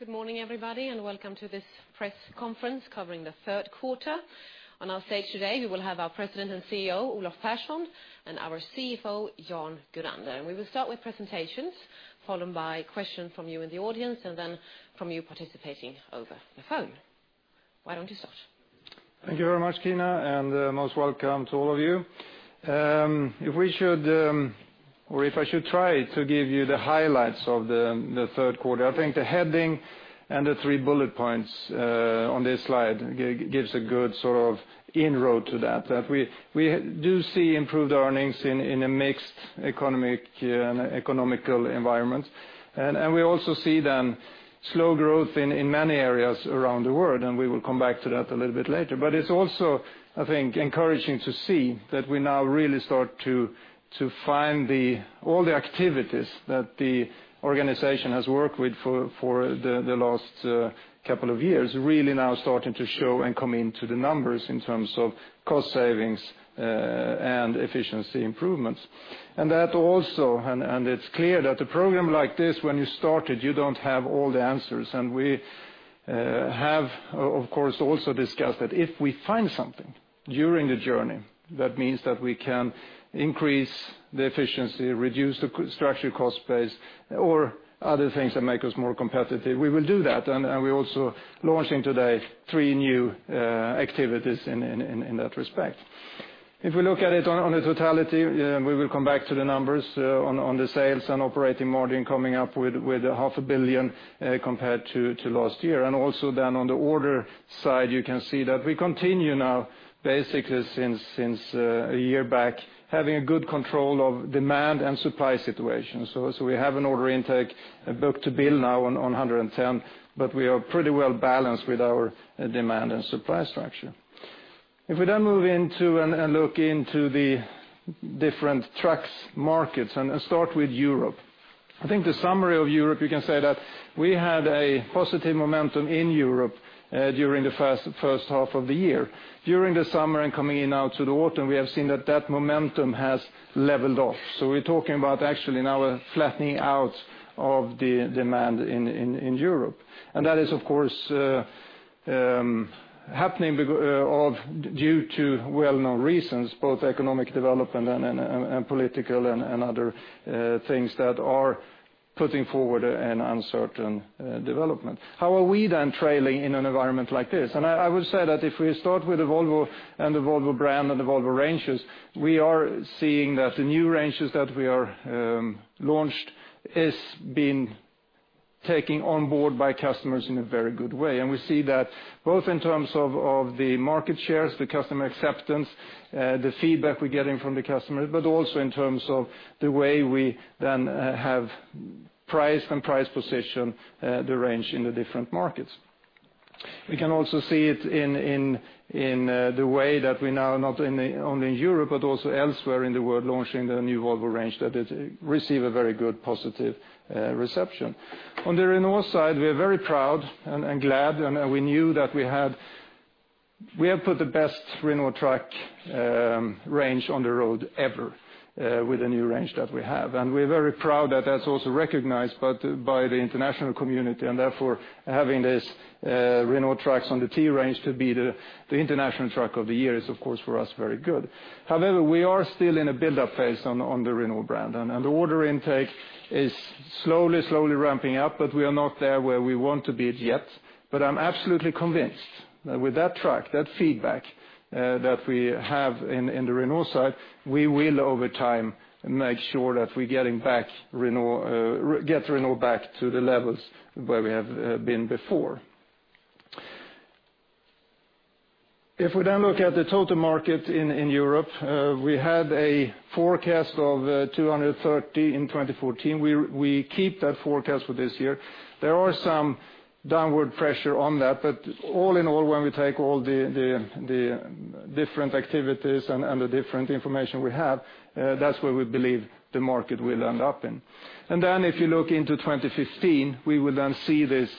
Good morning everybody and welcome to this press conference covering the third quarter. On our stage today, we will have our President and CEO, Olof Persson, and our CFO, Jan Gurander. We will start with presentations, followed by questions from you in the audience, and then from you participating over the phone. Why don't you start? Thank you very much, Tina, and most welcome to all of you. If I should try to give you the highlights of the third quarter, I think the heading and the three bullet points on this slide gives a good inroad to that. We do see improved earnings in a mixed economic environment. We also see slow growth in many areas around the world, and we will come back to that a little bit later. It's also, I think, encouraging to see that we now really start to find all the activities that the organization has worked with for the last couple of years, really now starting to show and come into the numbers in terms of cost savings and efficiency improvements. It's clear that a program like this, when you start it, you don't have all the answers. We have, of course, also discussed that if we find something during the journey, that means that we can increase the efficiency, reduce the structural cost base, or other things that make us more competitive, we will do that. We're also launching today three new activities in that respect. If we look at it on a totality, we will come back to the numbers on the sales and operating margin coming up with a half a billion compared to last year. Also then on the order side, you can see that we continue now basically since a year back, having a good control of demand and supply situations. We have an order intake book-to-bill now on 110, but we are pretty well balanced with our demand and supply structure. If we move into and look into the different trucks markets and start with Europe. I think the summary of Europe, you can say that we had a positive momentum in Europe during the first half of the year. During the summer and coming in now to the autumn, we have seen that that momentum has leveled off. We're talking about actually now a flattening out of the demand in Europe. That is, of course, happening due to well-known reasons, both economic development and political and other things that are putting forward an uncertain development. How are we then trailing in an environment like this? I would say that if we start with the Volvo brand and the Volvo ranges, we are seeing that the new ranges that we have launched is being taken on board by customers in a very good way. We see that both in terms of the market shares, the customer acceptance, the feedback we're getting from the customer, also in terms of the way we then have priced and price position the range in the different markets. We can also see it in the way that we now not only in Europe but also elsewhere in the world launching the new Volvo range that it receive a very good positive reception. On the Renault side, we are very proud and glad, and we knew that we have put the best Renault truck range on the road ever with the new range that we have. We're very proud that that's also recognized by the international community, therefore having this Renault Trucks T to be the International Truck of the Year is of course for us very good. However, we are still in a buildup phase on the Renault brand. The order intake is slowly ramping up, but we are not there where we want to be yet. I'm absolutely convinced that with that truck, that feedback that we have in the Renault side, we will over time make sure that we get Renault back to the levels where we have been before. If we then look at the total market in Europe, we had a forecast of 230 in 2014. We keep that forecast for this year. There are some downward pressure on that, but all in all, when we take all the different activities and the different information we have, that's where we believe the market will end up in. If you look into 2015, we will then see this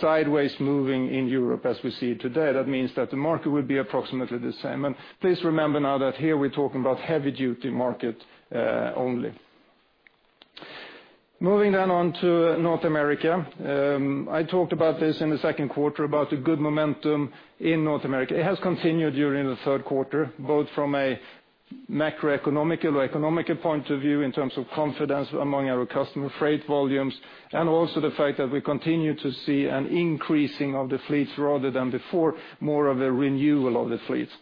sideways moving in Europe as we see today. That means that the market will be approximately the same. Please remember now that here we're talking about heavy duty market only. Moving then on to North America. I talked about this in the second quarter about the good momentum in North America. It has continued during the third quarter, both from a macroeconomic or economic point of view in terms of confidence among our customer freight volumes, also the fact that we continue to see an increasing of the fleets rather than before, more of a renewal of the fleets.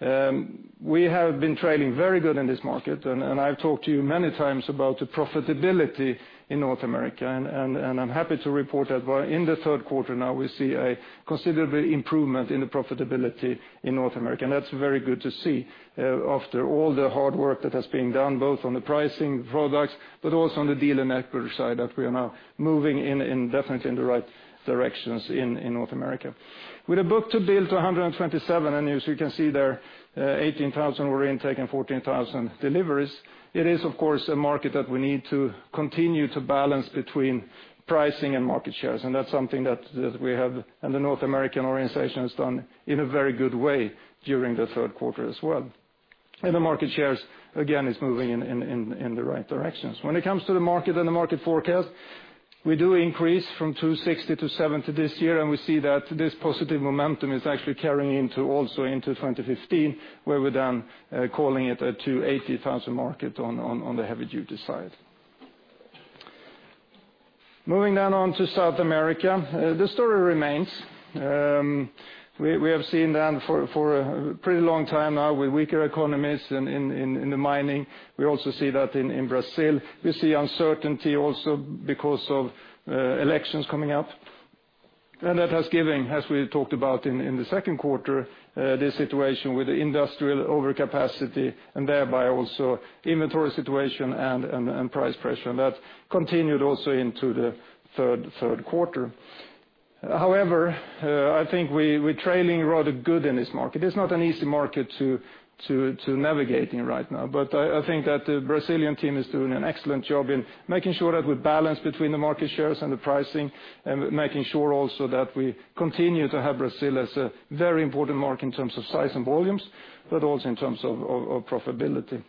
We have been trailing very good in this market, I've talked to you many times about the profitability in North America, I'm happy to report that in the third quarter now, we see a considerable improvement in the profitability in North America. That's very good to see after all the hard work that has been done, both on the pricing products, also on the dealer network side, that we are now moving definitely in the right directions in North America. With a book-to-bill to 127, as you can see there, 18,000 were intake and 14,000 deliveries. It is, of course, a market that we need to continue to balance between pricing and market shares. That's something that we have and the North American organization has done in a very good way during the third quarter as well. The market shares, again, is moving in the right directions. When it comes to the market and the market forecast, we do increase from 260,000 to 270,000 this year, and we see that this positive momentum is actually carrying also into 2015, where we are calling it a 280,000 market on the heavy-duty side. Moving on to South America. The story remains. We have seen then for a pretty long time now with weaker economies in the mining. We also see that in Brazil. We see uncertainty also because of elections coming up. That has given, as we talked about in the second quarter, the situation with the industrial overcapacity and thereby also inventory situation and price pressure, and that continued also into the third quarter. However, I think we are trailing rather good in this market. It is not an easy market to navigate in right now. I think that the Brazilian team is doing an excellent job in making sure that we balance between the market shares and the pricing, and making sure also that we continue to have Brazil as a very important market in terms of size and volumes, but also in terms of profitability.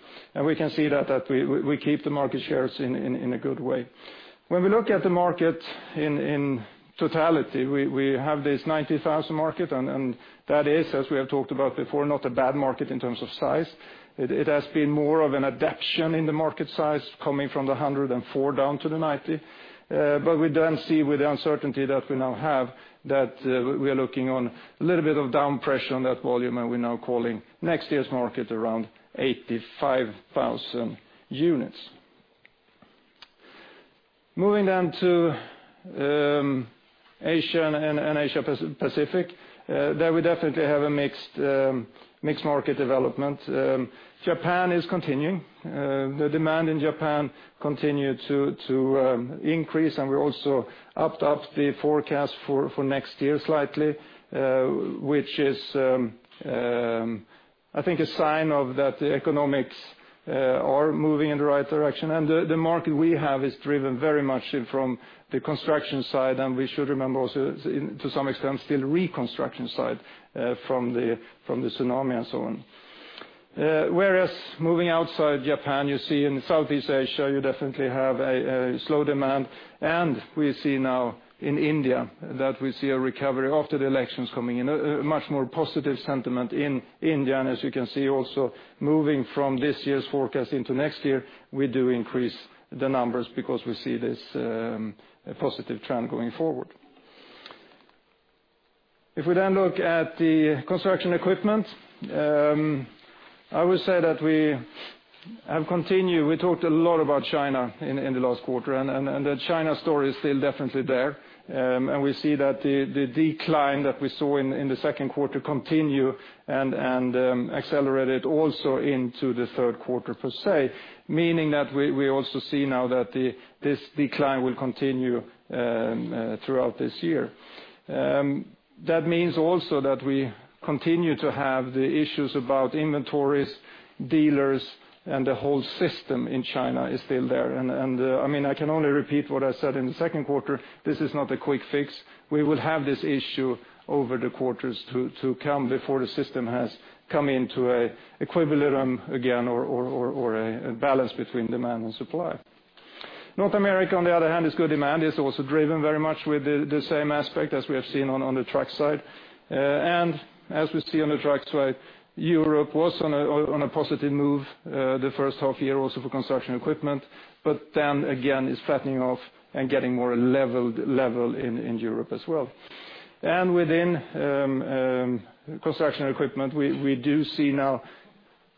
We can see that we keep the market shares in a good way. When we look at the market in totality, we have this 90,000 market, and that is, as we have talked about before, not a bad market in terms of size. It has been more of an adaption in the market size coming from the 104,000 down to the 90,000. We then see with the uncertainty that we now have, that we are looking on a little bit of down pressure on that volume, and we are now calling next year's market around 85,000 units. Moving to Asia and Asia Pacific. There we definitely have a mixed market development. Japan is continuing. The demand in Japan continued to increase, and we also upped up the forecast for next year slightly, which is, I think a sign that the economics are moving in the right direction. The market we have is driven very much from the construction side, and we should remember also, to some extent still reconstruction side from the tsunami and so on. Whereas moving outside Japan, you see in Southeast Asia, you definitely have a slow demand. We see now in India that we see a recovery after the elections coming in, a much more positive sentiment in India. As you can see also moving from this year's forecast into next year, we do increase the numbers because we see this positive trend going forward. If we look at the Construction Equipment, I would say that we have continued. We talked a lot about China in the last quarter, and the China story is still definitely there. We see that the decline that we saw in the second quarter continue and accelerated also into the third quarter per se, meaning that we also see now that this decline will continue throughout this year. That means also that we continue to have the issues about inventories, dealers, and the whole system in China is still there. I can only repeat what I said in the second quarter, this is not a quick fix. We will have this issue over the quarters to come before the system has come into an equilibrium again or a balance between demand and supply. North America, on the other hand, has good demand. It's also driven very much with the same aspect as we have seen on the truck side. As we see on the trucks side, Europe was on a positive move the first half year also for Construction Equipment. Again, is flattening off and getting more level in Europe as well. Within Construction Equipment, we do see now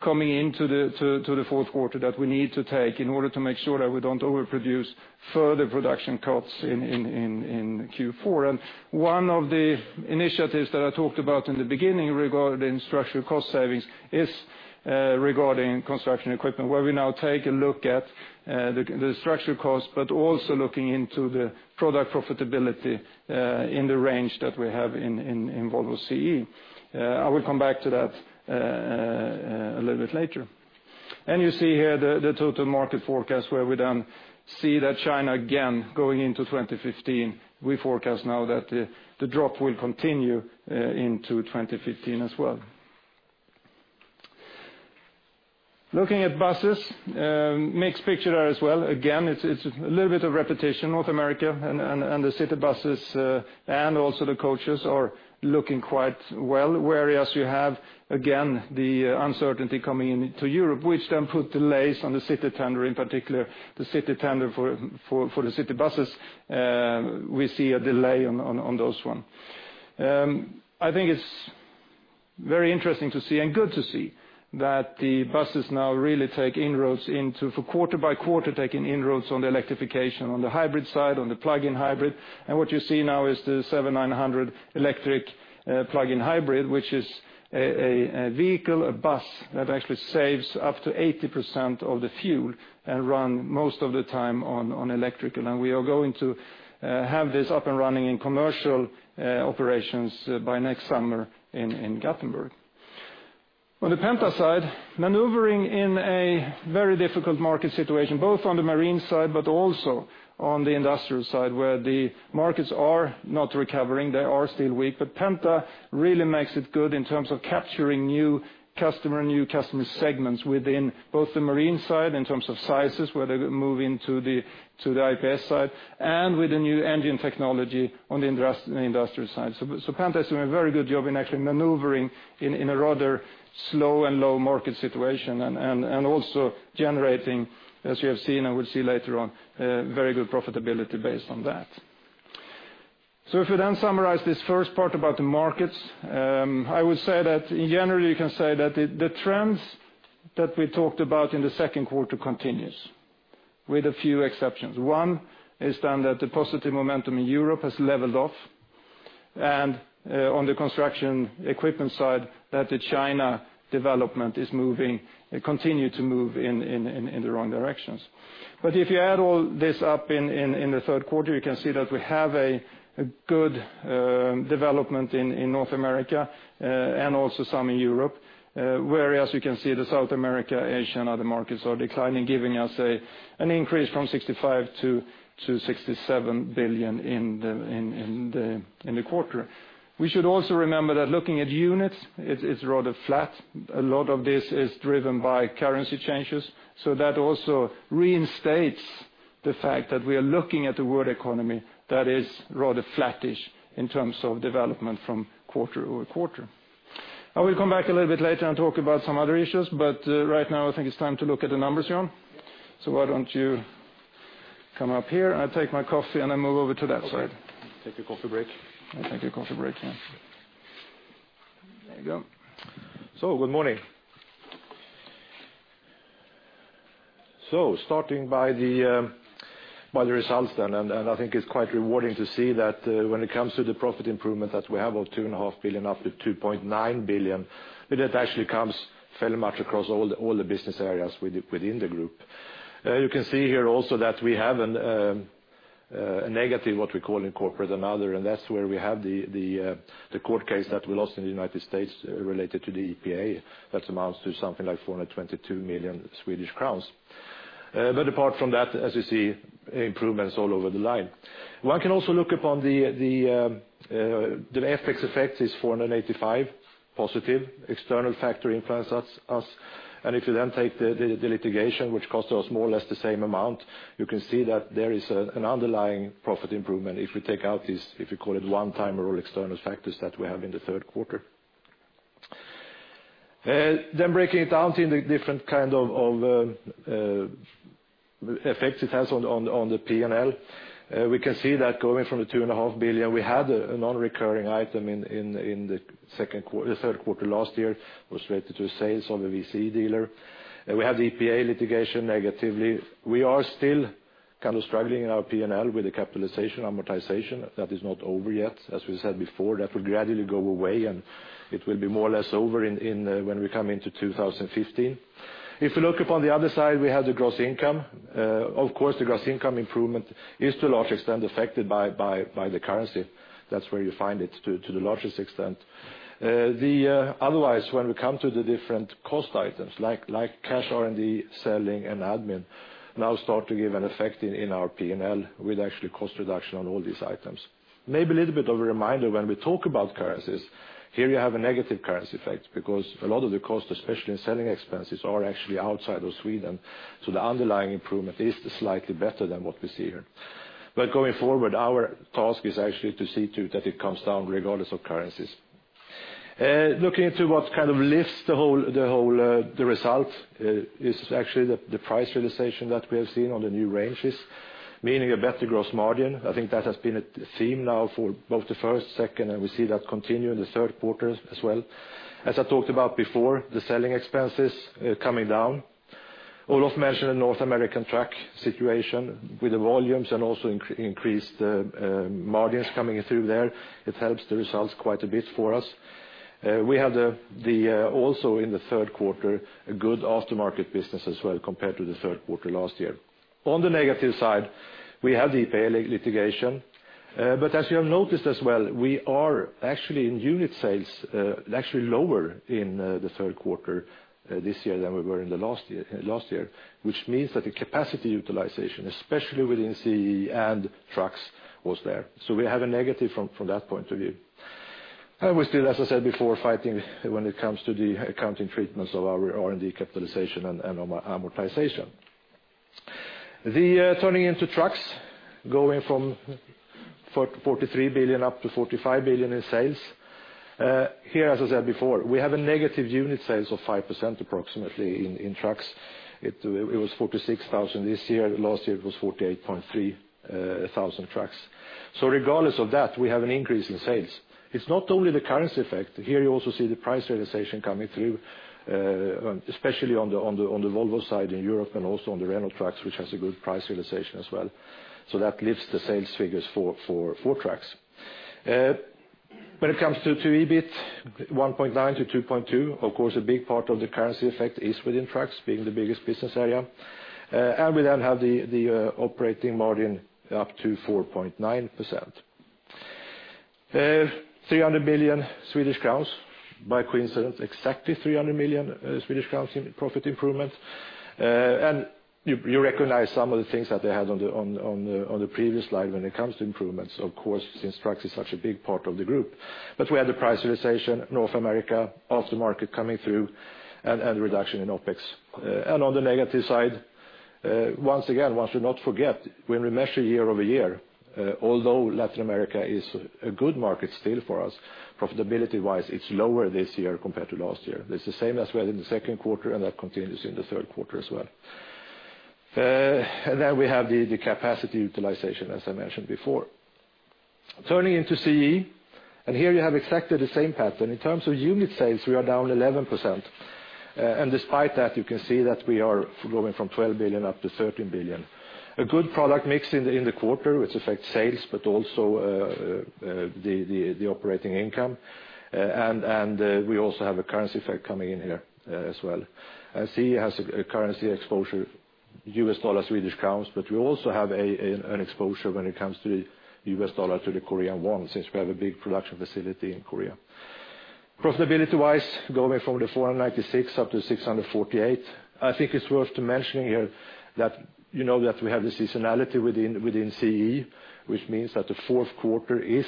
coming into the fourth quarter that we need to take in order to make sure that we don't overproduce further production cuts in Q4. One of the initiatives that I talked about in the beginning regarding structural cost savings is regarding Construction Equipment, where we now take a look at the structural cost, but also looking into the product profitability, in the range that we have in Volvo CE. I will come back to that a little bit later. You see here the total market forecast where we then see that China again going into 2015. We forecast now that the drop will continue into 2015 as well. Looking at buses. Mixed picture there as well. Again, it's a little bit of repetition. North America and the city buses, and also the coaches are looking quite well. Whereas you have, again, the uncertainty coming into Europe, which then put delays on the city tender, in particular the city tender for the city buses. We see a delay on those one. I think it's very interesting to see and good to see that the buses now really take inroads for quarter by quarter, taking inroads on the electrification, on the hybrid side, on the plug-in hybrid. What you see now is the 7900 Electric Hybrid, which is a vehicle, a bus that actually saves up to 80% of the fuel and run most of the time on electrical. We are going to have this up and running in commercial operations by next summer in Gothenburg. On the Penta side, maneuvering in a very difficult market situation, both on the marine side, but also on the industrial side, where the markets are not recovering, they are still weak. Penta really makes it good in terms of capturing new customer segments within both the marine side, in terms of sizes, where they move into the IPS side, and with the new engine technology on the industrial side. Penta is doing a very good job in actually maneuvering in a rather slow and low market situation and also generating, as you have seen and will see later on, very good profitability based on that. If we then summarize this first part about the markets, I would say that in general, you can say that the trends that we talked about in the second quarter continues with a few exceptions. One is that the positive momentum in Europe has leveled off, and on the Construction Equipment side, that the China development continue to move in the wrong directions. If you add all this up in the third quarter, you can see that we have a good development in North America, and also some in Europe. Whereas you can see the South America, Asia, and other markets are declining, giving us an increase from 65 billion-67 billion in the quarter. We should also remember that looking at units, it's rather flat. A lot of this is driven by currency changes. That also reinstates the fact that we are looking at the world economy that is rather flattish in terms of development from quarter-over-quarter. I will come back a little bit later and talk about some other issues, right now I think it's time to look at the numbers, Jan. Yes. Why don't you come up here? I'll take my coffee, and I move over to that side. Okay. Take a coffee break. I'll take a coffee break, yeah. There you go. Good morning. Starting by the results, I think it's quite rewarding to see that when it comes to the profit improvement that we have of two and a half billion up to 2.9 billion, that actually comes fairly much across all the business areas within the group. You can see here also that we have a negative, what we call in corporate, another, and that's where we have the court case that we lost in the U.S. related to the EPA. That amounts to something like 422 million Swedish crowns. Apart from that, as you see, improvements all over the line. One can also look upon the FX effect is 485 million, positive external factor influence us. If you take the litigation, which cost us more or less the same amount, you can see that there is an underlying profit improvement if you take out these, if you call it, one-timer or external factors that we have in the third quarter. Breaking it down into different kind of effects it has on the P&L. We can see that going from the two and a half billion we had a non-recurring item in the third quarter last year was related to sales of a VCE dealer. We have the EPA litigation negatively. We are still kind of struggling in our P&L with the capitalization amortization. That is not over yet. As we said before, that will gradually go away, and it will be more or less over when we come into 2015. If you look upon the other side, we have the gross income. Of course, the gross income improvement is to a large extent affected by the currency. That's where you find it to the largest extent. When we come to the different cost items like COGS, R&D, selling, and admin, now start to give an effect in our P&L with actually cost reduction on all these items. Maybe a little bit of a reminder, when we talk about currencies, here you have a negative currency effect because a lot of the cost, especially in selling expenses, are actually outside of Sweden. The underlying improvement is slightly better than what we see here. Going forward, our task is actually to see to that it comes down regardless of currencies. Looking into what kind of lifts the result is actually the price realization that we have seen on the new ranges, meaning a better gross margin. I think that has been a theme now for both the first, second, and we see that continue in the third quarter as well. I talked about before, the selling expenses coming down. Olof mentioned the North American truck situation with the volumes and also increased margins coming through there. It helps the results quite a bit for us. We have also in the third quarter, a good aftermarket business as well compared to the third quarter last year. On the negative side, we have the EPA litigation. As you have noticed as well, we are actually in unit sales, actually lower in the third quarter this year than we were in the last year, which means that the capacity utilization, especially within CE and trucks, was there. We have a negative from that point of view. We're still, as I said before, fighting when it comes to the accounting treatments of our R&D capitalization and amortization. Turning into trucks, going from 43 billion up to 45 billion in sales. Here, as I said before, we have a negative unit sales of 5% approximately in trucks. It was 46,000 this year. Last year it was 48,300 trucks. Regardless of that, we have an increase in sales. It's not only the currency effect. Here you also see the price realization coming through, especially on the Volvo side in Europe and also on the Renault Trucks, which has a good price realization as well. That lifts the sales figures for trucks. When it comes to EBIT, 1.9 billion to 2.2 billion, of course, a big part of the currency effect is within trucks being the biggest business area. We then have the operating margin up to 4.9%. 300 million Swedish crowns, by coincidence, exactly 300 million Swedish crowns in profit improvement. You recognize some of the things that they had on the previous slide when it comes to improvements, of course, since trucks is such a big part of the group. We had the price realization, North America, after market coming through, and a reduction in OpEx. On the negative side, once again, one should not forget when we measure year-over-year, although Latin America is a good market still for us profitability-wise, it's lower this year compared to last year. It's the same as well in the second quarter, and that continues in the third quarter as well. We have the capacity utilization, as I mentioned before. Turning into CE, here you have exactly the same pattern. In terms of unit sales, we are down 11%. Despite that, you can see that we are going from 12 billion up to 13 billion. A good product mix in the quarter, which affects sales but also the operating income. We also have a currency effect coming in here as well. CE has a currency exposure, US dollar, SEK, but we also have an exposure when it comes to the US dollar to the Korean won, since we have a big production facility in Korea. Profitability-wise, going from 496 million up to 648 million. I think it's worth mentioning here that we have the seasonality within CE, which means that the fourth quarter is,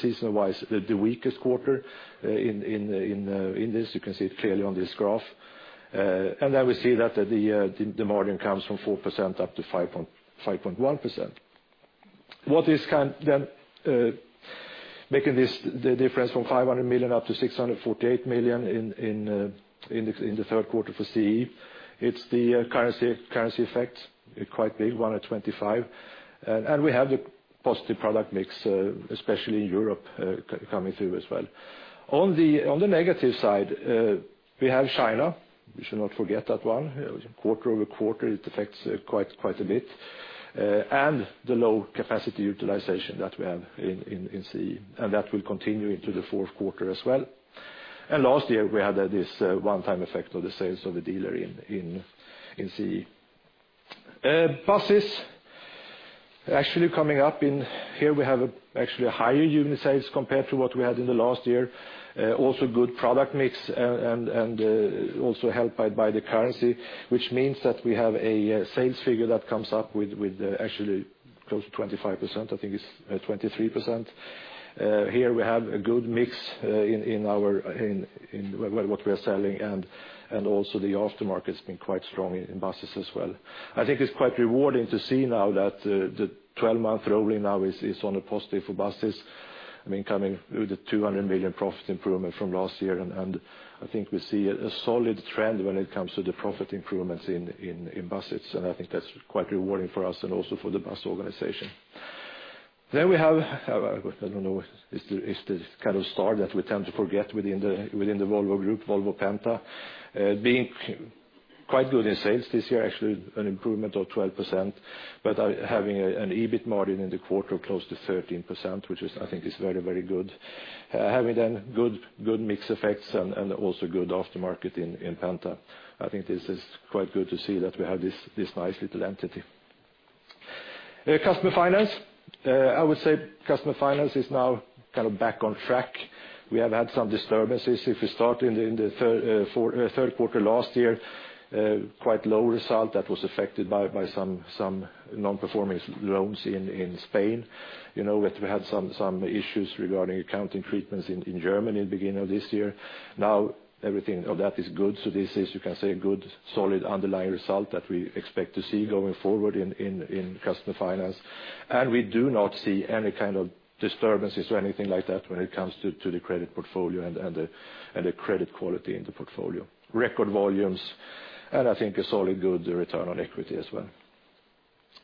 season-wise, the weakest quarter in this. You can see it clearly on this graph. Then we see that the margin comes from 4% up to 5.1%. What is making this difference from 500 million up to 648 million in the third quarter for CE, it's the currency effect, a quite big one at 25 million. We have the positive product mix, especially in Europe, coming through as well. On the negative side, we have China. We should not forget that one. Quarter-over-quarter, it affects quite a bit. The low capacity utilization that we have in CE, and that will continue into the fourth quarter as well. Last year, we had this one-time effect of the sales of a dealer in CE. Buses, actually coming up in here, we have actually higher unit sales compared to what we had in the last year. Also good product mix, and also helped by the currency, which means that we have a sales figure that comes up with actually close to 25%. I think it's 23%. Here we have a good mix in what we are selling, and also the aftermarket has been quite strong in buses as well. I think it's quite rewarding to see now that the 12-month rolling now is only positive for buses. Coming with a 200 million profit improvement from last year, and I think we see a solid trend when it comes to the profit improvements in buses, and I think that's quite rewarding for us and also for the bus organization. We have, I don't know, it's the kind of star that we tend to forget within the Volvo Group, Volvo Penta. Being quite good in sales this year, actually an improvement of 12%, but having an EBIT margin in the quarter of close to 13%, which I think is very good. Having then good mix effects and also good aftermarket in Penta. I think this is quite good to see that we have this nice little entity. Customer finance, I would say, is now back on track. We have had some disturbances. If we start in the third quarter last year, quite low result that was affected by some non-performing loans in Spain. We had some issues regarding accounting treatments in Germany at the beginning of this year. Now everything of that is good. This is, you can say, a good solid underlying result that we expect to see going forward in customer finance. We do not see any kind of disturbances or anything like that when it comes to the credit portfolio and the credit quality in the portfolio. Record volumes, and I think a solid good return on equity as well.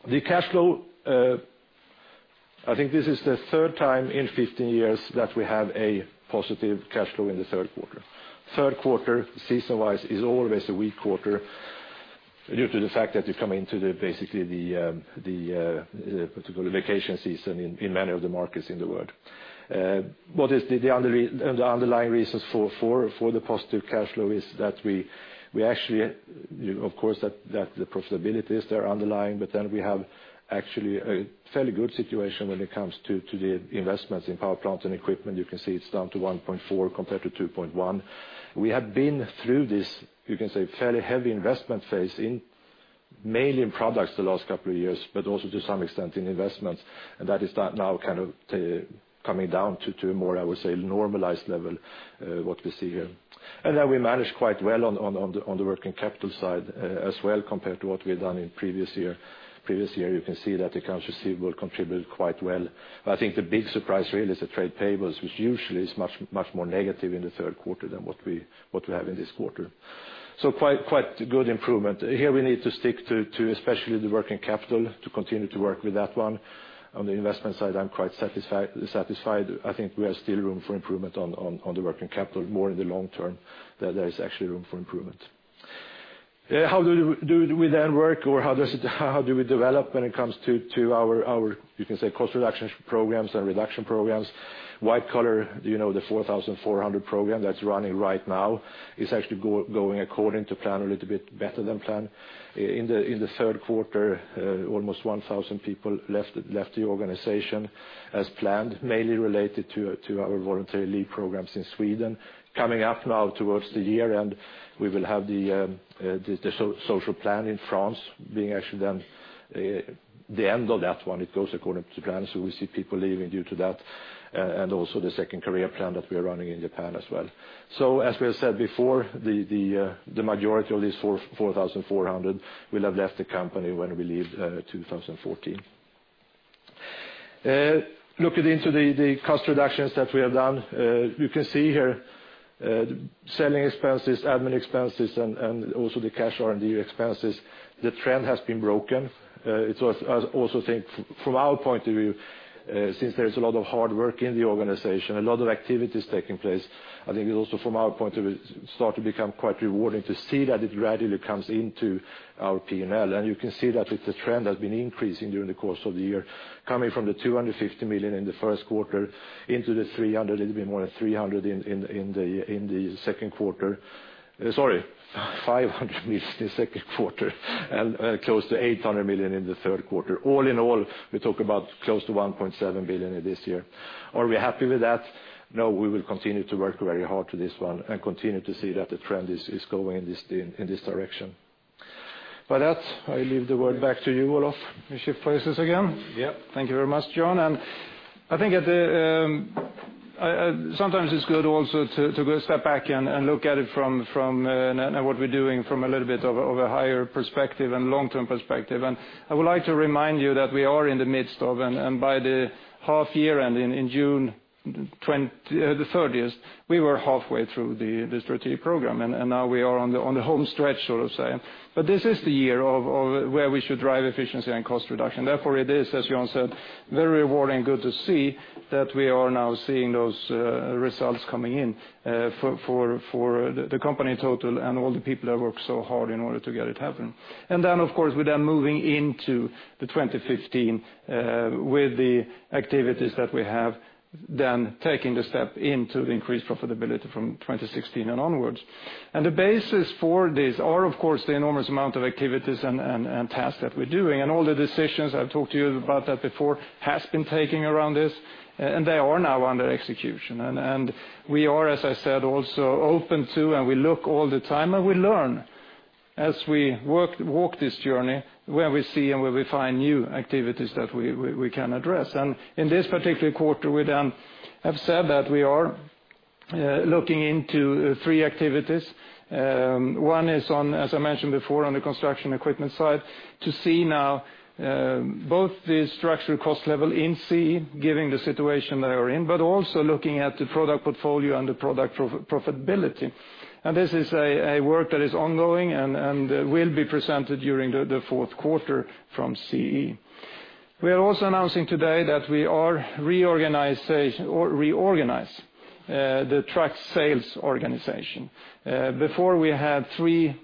The cash flow, I think this is the third time in 15 years that we have a positive cash flow in the third quarter. Third quarter, season-wise, is always a weak quarter due to the fact that you come into basically the vacation season in many of the markets in the world. The underlying reasons for the positive cash flow is that we actually, of course, the profitability is there underlying, but then we have actually a fairly good situation when it comes to the investments in power plant and equipment. You can see it's down to 1.4 compared to 2.1. We have been through this, you can say, fairly heavy investment phase mainly in products the last couple of years, but also to some extent in investments. That is now coming down to a more, I would say, normalized level, what we see here. We managed quite well on the working capital side as well compared to what we had done in previous year. Previous year, you can see that accounts receivable contributed quite well. I think the big surprise really is the trade payables, which usually is much more negative in the third quarter than what we have in this quarter. Quite a good improvement. Here we need to stick to especially the working capital to continue to work with that one. On the investment side, I'm quite satisfied. I think we have still room for improvement on the working capital more in the long term, that there is actually room for improvement. How do we then work or how do we develop when it comes to our, you can say, cost reduction programs and reduction programs? White collar, the 4,400 program that is running right now is actually going according to plan, a little bit better than plan. In the third quarter, almost 1,000 people left the organization as planned, mainly related to our voluntary leave programs in Sweden. Coming up now towards the year end, we will have the social plan in France, being actually then the end of that one. It goes according to plan, we see people leaving due to that, and also the second career plan that we are running in Japan as well. As we have said before, the majority of these 4,400 will have left the company when we leave 2014. Looking into the cost reductions that we have done. You can see here, selling expenses, admin expenses, and also the cash R&D expenses, the trend has been broken. I also think from our point of view, since there is a lot of hard work in the organization, a lot of activities taking place, I think it also from our point of view, starts to become quite rewarding to see that it gradually comes into our P&L. You can see that it is a trend that has been increasing during the course of the year, coming from the 250 million in the first quarter into the 300 million, it will be more than 300 million in the second quarter. Sorry, 500 million in the second quarter, and close to 800 million in the third quarter. All in all, we talk about close to 1.7 billion in this year. Are we happy with that? No. We will continue to work very hard to this one and continue to see that the trend is going in this direction. By that, I leave the word back to you, Olof. We shift places again. Yes. Thank you very much, Jan. I think sometimes it is good also to go step back and look at it from what we are doing from a little bit of a higher perspective and long-term perspective. I would like to remind you that we are in the midst of, by the half year end in June the 30th, we were halfway through the strategic program, and now we are on the home stretch, so to say. This is the year of where we should drive efficiency and cost reduction. Therefore, it is, as Jan said, very rewarding and good to see that we are now seeing those results coming in for the company total and all the people that work so hard in order to get it happen. Of course, we're then moving into the 2015, with the activities that we have, then taking the step into increased profitability from 2016 and onwards. The basis for this are, of course, the enormous amount of activities and tasks that we're doing, and all the decisions I've talked to you about that before has been taking around this, and they are now under execution. We are, as I said, also open to, and we look all the time, and we learn as we walk this journey, where we see and where we find new activities that we can address. In this particular quarter, we then have said that we are looking into three activities. One is on, as I mentioned before, on the construction equipment side, to see now both the structural cost level in CE, given the situation they are in, but also looking at the product portfolio and the product profitability. This is a work that is ongoing and will be presented during the fourth quarter from CE. We are also announcing today that we are reorganize the truck sales organization. Before we had three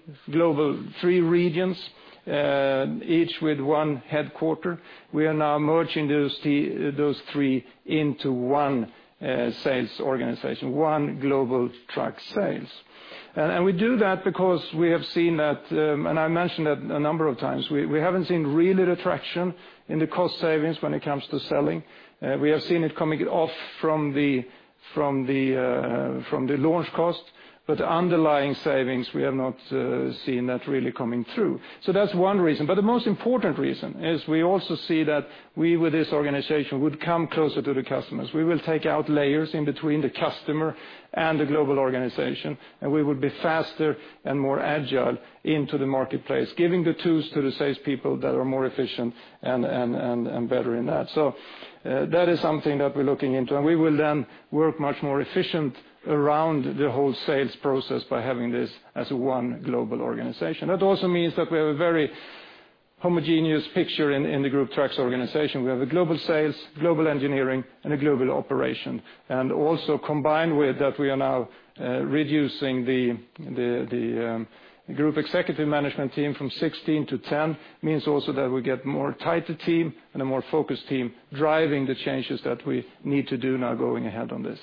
regions, each with one headquarter. We are now merging those three into one sales organization, one global truck sales. We do that because we have seen that, and I mentioned that a number of times, we haven't seen really the traction in the cost savings when it comes to selling. We have seen it coming off from the launch cost, but underlying savings, we have not seen that really coming through. That's one reason. The most important reason is we also see that we, with this organization, would come closer to the customers. We will take out layers in between the customer and the global organization, we would be faster and more agile into the marketplace, giving the tools to the salespeople that are more efficient and better in that. That is something that we're looking into, and we will then work much more efficient around the whole sales process by having this as one global organization. That also means that we have a very homogeneous picture in the Group Trucks organization. We have a global sales, global engineering, and a global operation. Also combined with that, we are now reducing the Group Executive Management Team from 16 to 10, means also that we get more tighter team and a more focused team driving the changes that we need to do now going ahead on this.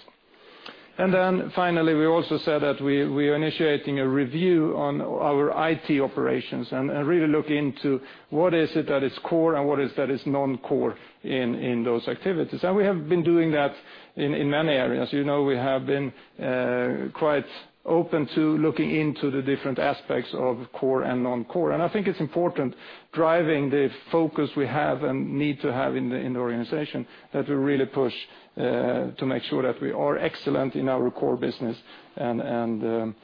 Finally, we also said that we are initiating a review on our IT operations and really look into what is it that is core and what is that is non-core in those activities. We have been doing that in many areas. You know, we have been quite open to looking into the different aspects of core and non-core. I think it's important, driving the focus we have and need to have in the organization, that we really push to make sure that we are excellent in our core business and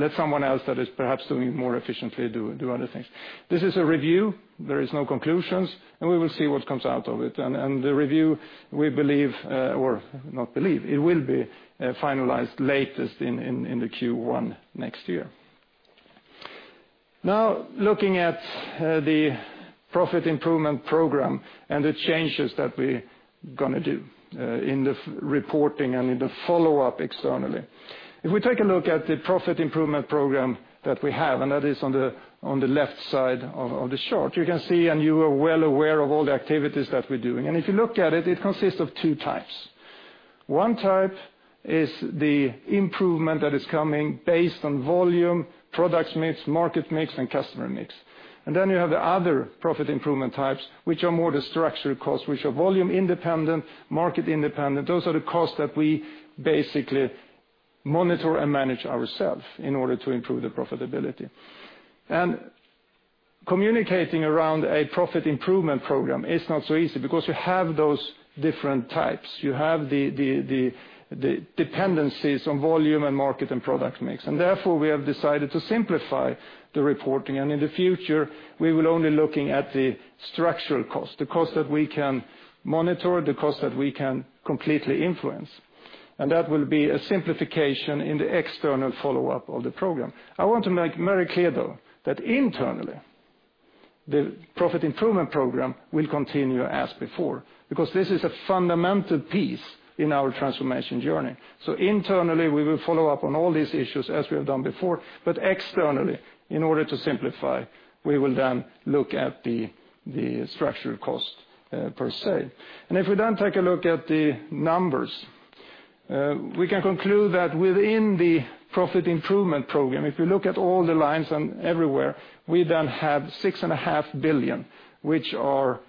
let someone else that is perhaps doing more efficiently do other things. This is a review. There is no conclusions, we will see what comes out of it. The review, we believe, or not believe, it will be finalized latest in the Q1 next year. Looking at the profit improvement program and the changes that we're going to do in the reporting and in the follow-up externally. We take a look at the profit improvement program that we have, that is on the left side of the chart, you can see, you are well aware of all the activities that we're doing. If you look at it consists of two types. One type is the improvement that is coming based on volume, product mix, market mix, and customer mix. Then you have the other profit improvement types, which are more the structural costs, which are volume independent, market independent. Those are the costs that we basically monitor and manage ourselves in order to improve the profitability. Communicating around a profit improvement program is not so easy because you have those different types. You have the dependencies on volume and market and product mix. Therefore, we have decided to simplify the reporting. In the future, we will only be looking at the structural cost, the cost that we can monitor, the cost that we can completely influence. That will be a simplification in the external follow-up of the program. I want to make very clear, though, that internally, the profit improvement program will continue as before, because this is a fundamental piece in our transformation journey. Internally, we will follow up on all these issues as we have done before, externally, in order to simplify, we will then look at the structural cost per se. If we then take a look at the numbers, we can conclude that within the profit improvement program, if you look at all the lines and everywhere, we then have 6.5 billion, which are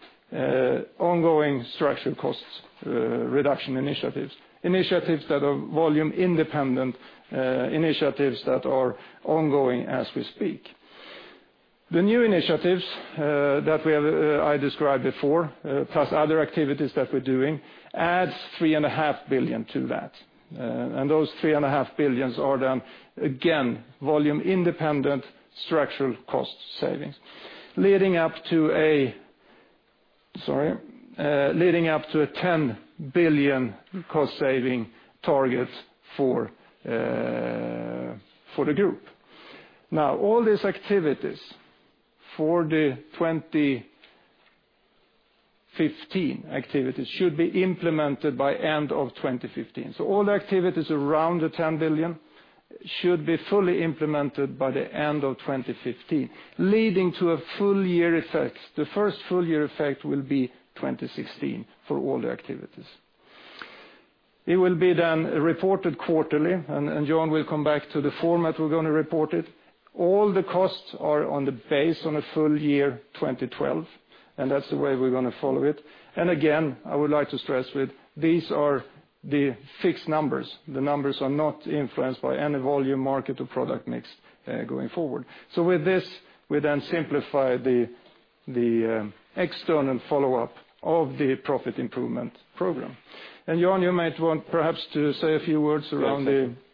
ongoing structural costs reduction initiatives that are volume independent, initiatives that are ongoing as we speak. The new initiatives that I described before, plus other activities that we're doing, adds 3.5 billion to that. Those 3.5 billion are then, again, volume independent structural cost savings, leading up to a 10 billion cost saving targets for the group. All these activities for the 2015 activities should be implemented by end of 2015. All the activities around the 10 billion should be fully implemented by the end of 2015, leading to a full year effect. The first full year effect will be 2016 for all the activities. It will be then reported quarterly, Jan will come back to the format we're going to report it. All the costs are on the base on a full year 2012, that's the way we're going to follow it. Again, I would like to stress, these are the fixed numbers. The numbers are not influenced by any volume, market, or product mix going forward. With this, we then simplify the external follow-up of the profit improvement program. Jan, you might want perhaps to say a few words around the- Thank you.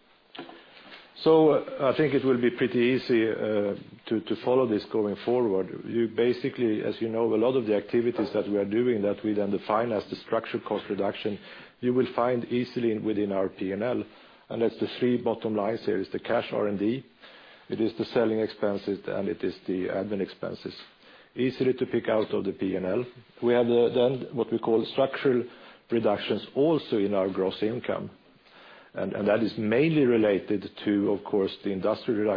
I think it will be pretty easy to follow this going forward. You basically, as you know, a lot of the activities that we are doing that we then define as the structural cost reduction, you will find easily within our P&L. That's the three bottom lines here is the cash R&D, it is the selling expenses, and it is the admin expenses. Easy to pick out of the P&L. We have what we call structural reductions also in our gross income. That is mainly related to, of course, the industrial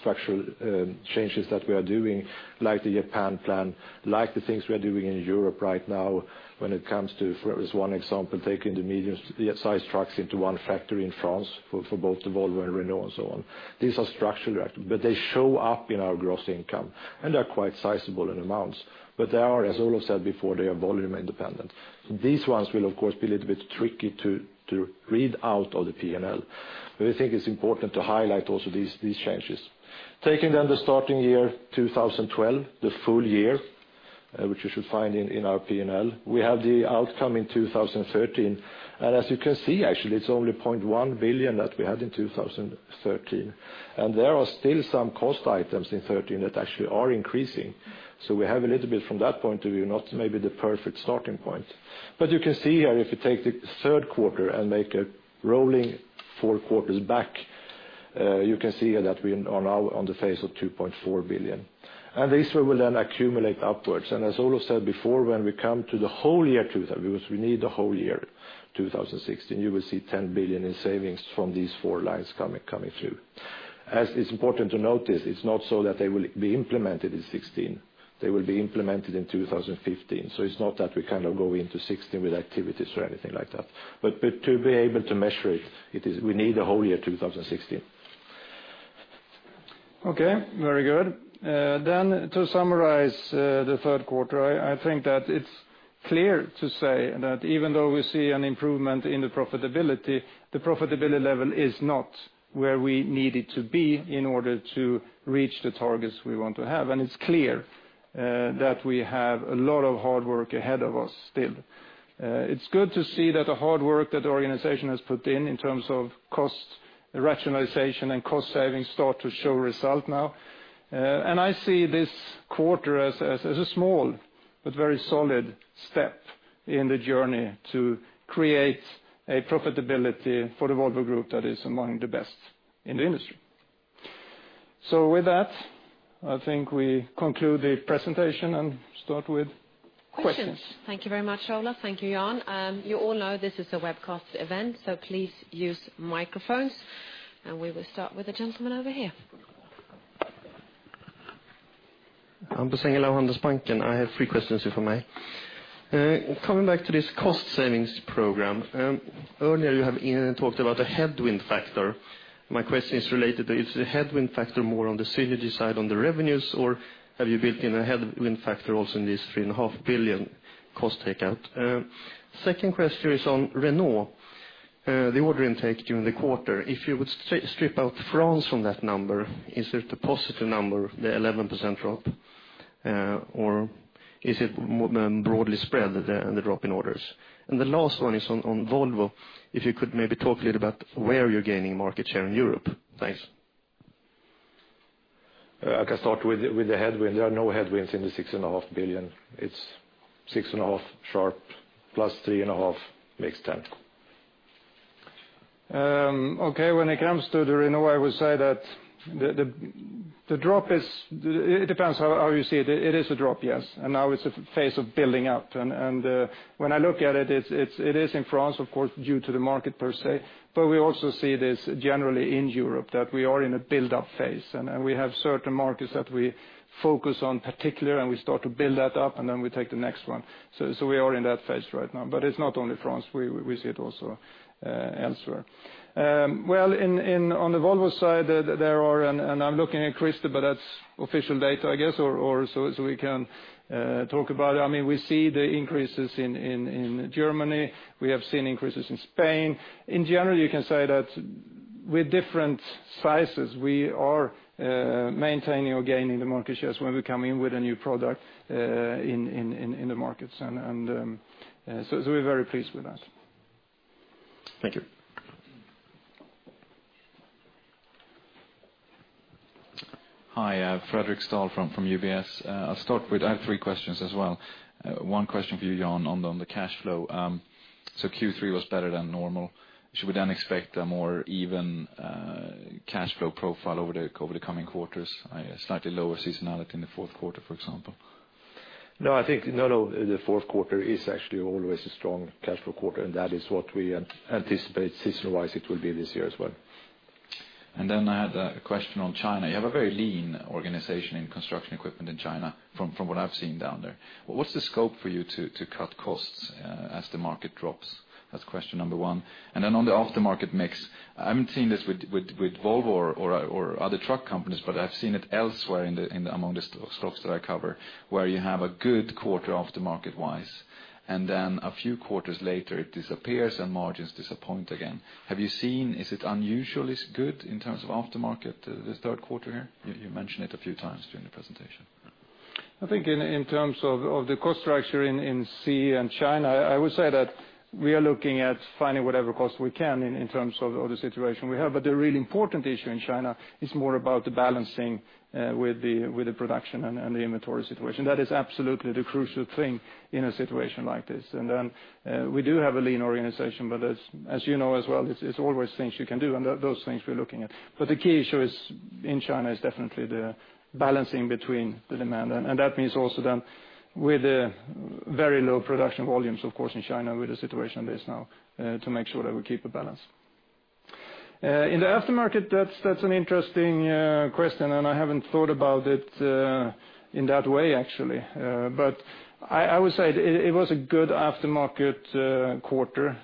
structural changes that we are doing, like the Japan plan, like the things we are doing in Europe right now when it comes to, for example, taking the medium-sized trucks into one factory in France for both Volvo and Renault and so on. These are structural, they show up in our gross income and are quite sizable in amounts. They are, as Olof said before, they are volume independent. These ones will, of course, be a little bit tricky to read out of the P&L. I think it's important to highlight also these changes. Taking the starting year, 2012, the full year, which you should find in our P&L. We have the outcome in 2013, as you can see, actually it's only $0.1 billion that we had in 2013. There are still some cost items in 2013 that actually are increasing. We have a little bit from that point of view, not maybe the perfect starting point. You can see here if you take the third quarter and make a rolling four quarters back, you can see here that we are now on the phase of 2.4 billion, this will then accumulate upwards. As Olof said before, when we come to the whole year, because we need the whole year 2016, you will see 10 billion in savings from these four lines coming through. As it's important to notice, it's not so that they will be implemented in 2016. They will be implemented in 2015. It's not that we go into 2016 with activities or anything like that. To be able to measure it, we need the whole year 2016. Okay, very good. To summarize the third quarter, I think that it's clear to say that even though we see an improvement in the profitability, the profitability level is not where we need it to be in order to reach the targets we want to have. It's clear that we have a lot of hard work ahead of us still. It's good to see that the hard work that the organization has put in terms of cost rationalization and cost savings, start to show result now. I see this quarter as a small but very solid step in the journey to create a profitability for the Volvo Group that is among the best in the industry. With that, I think we conclude the presentation and start with questions. Questions. Thank you very much, Olof. Thank you, Jan. You all know this is a webcast event, so please use microphones, and we will start with the gentleman over here. I'm Hampus of Handelsbanken. I have three questions if I may. Coming back to this cost savings program. Earlier you have talked about a headwind factor. My question is related to, is the headwind factor more on the synergy side, on the revenues, or have you built in a headwind factor also in this 3.5 billion cost takeout? Second question is on Renault, the order intake during the quarter. If you would strip out France from that number, is it a positive number, the 11% drop, or is it more broadly spread, the drop in orders? The last one is on Volvo. If you could maybe talk a little about where you're gaining market share in Europe. Thanks. I can start with the headwind. There are no headwinds in the 6.5 billion. It's 6.5 sharp, plus 3.5, makes 10. Okay. When it comes to the Renault, I would say that the drop. It depends how you see it. It is a drop, yes. Now it's a phase of building up. When I look at it is in France, of course, due to the market per se. We also see this generally in Europe, that we are in a build-up phase. We have certain markets that we focus on particular, and we start to build that up, and then we take the next one. We are in that phase right now. It's not only France, we see it also elsewhere. Well, on the Volvo side, there are, and I'm looking at Christer, but that's official data, I guess, or so we can talk about it. We see the increases in Germany. We have seen increases in Spain. In general, you can say that with different sizes, we are maintaining or gaining the market shares when we come in with a new product in the markets. We're very pleased with that. Thank you. Hi. Fredric Stahl from UBS. I'll start with, I have three questions as well. One question for you, Jan, on the cash flow. Q3 was better than normal. Should we expect a more even cash flow profile over the coming quarters? Slightly lower seasonality in the fourth quarter, for example? No, the fourth quarter is actually always a strong cash flow quarter, and that is what we anticipate season-wise it will be this year as well. I had a question on China. You have a very lean organization in construction equipment in China, from what I've seen down there. What's the scope for you to cut costs as the market drops? That's question number one. On the aftermarket mix, I haven't seen this with Volvo or other truck companies, but I've seen it elsewhere among the stocks that I cover, where you have a good quarter aftermarket wise, and then a few quarters later it disappears and margins disappoint again. Is it unusually good in terms of aftermarket, the third quarter here? You mentioned it a few times during the presentation. I think in terms of the cost structure in CE and China, I would say that we are looking at finding whatever cost we can in terms of the situation we have. The really important issue in China is more about the balancing with the production and the inventory situation. That is absolutely the crucial thing in a situation like this. We do have a lean organization, as you know as well, it's always things you can do, and those things we're looking at. The key issue in China is definitely the balancing between the demand. That means also then with the very low production volumes, of course, in China, with the situation it is now, to make sure that we keep a balance. In the aftermarket, that's an interesting question, and I haven't thought about it in that way, actually. I would say it was a good aftermarket quarter.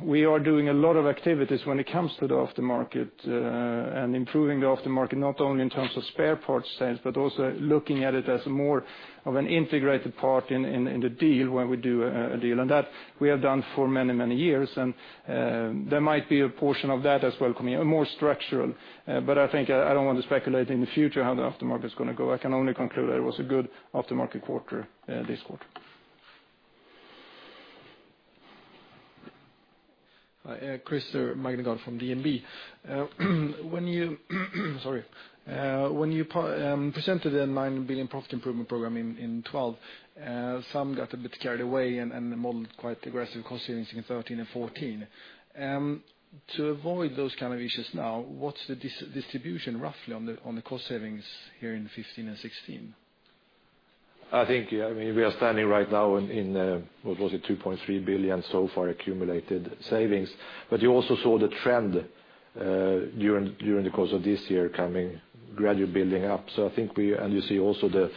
We are doing a lot of activities when it comes to the aftermarket, and improving the aftermarket, not only in terms of spare parts sales, but also looking at it as more of an integrated part in the deal when we do a deal. That we have done for many years. There might be a portion of that as well coming in, more structural. I think I don't want to speculate in the future how the aftermarket is going to go. I can only conclude that it was a good aftermarket quarter this quarter. Christer Magnergård from DNB. Sorry. When you presented the 9 billion profit improvement program in 2012, some got a bit carried away and modeled quite aggressive cost savings in 2013 and 2014. To avoid those kind of issues now, what's the distribution roughly on the cost savings here in 2015 and 2016? I think we are standing right now in, what was it? 2.3 billion so far accumulated savings. You also saw the trend during the course of this year coming, gradually building up. I think we. You also see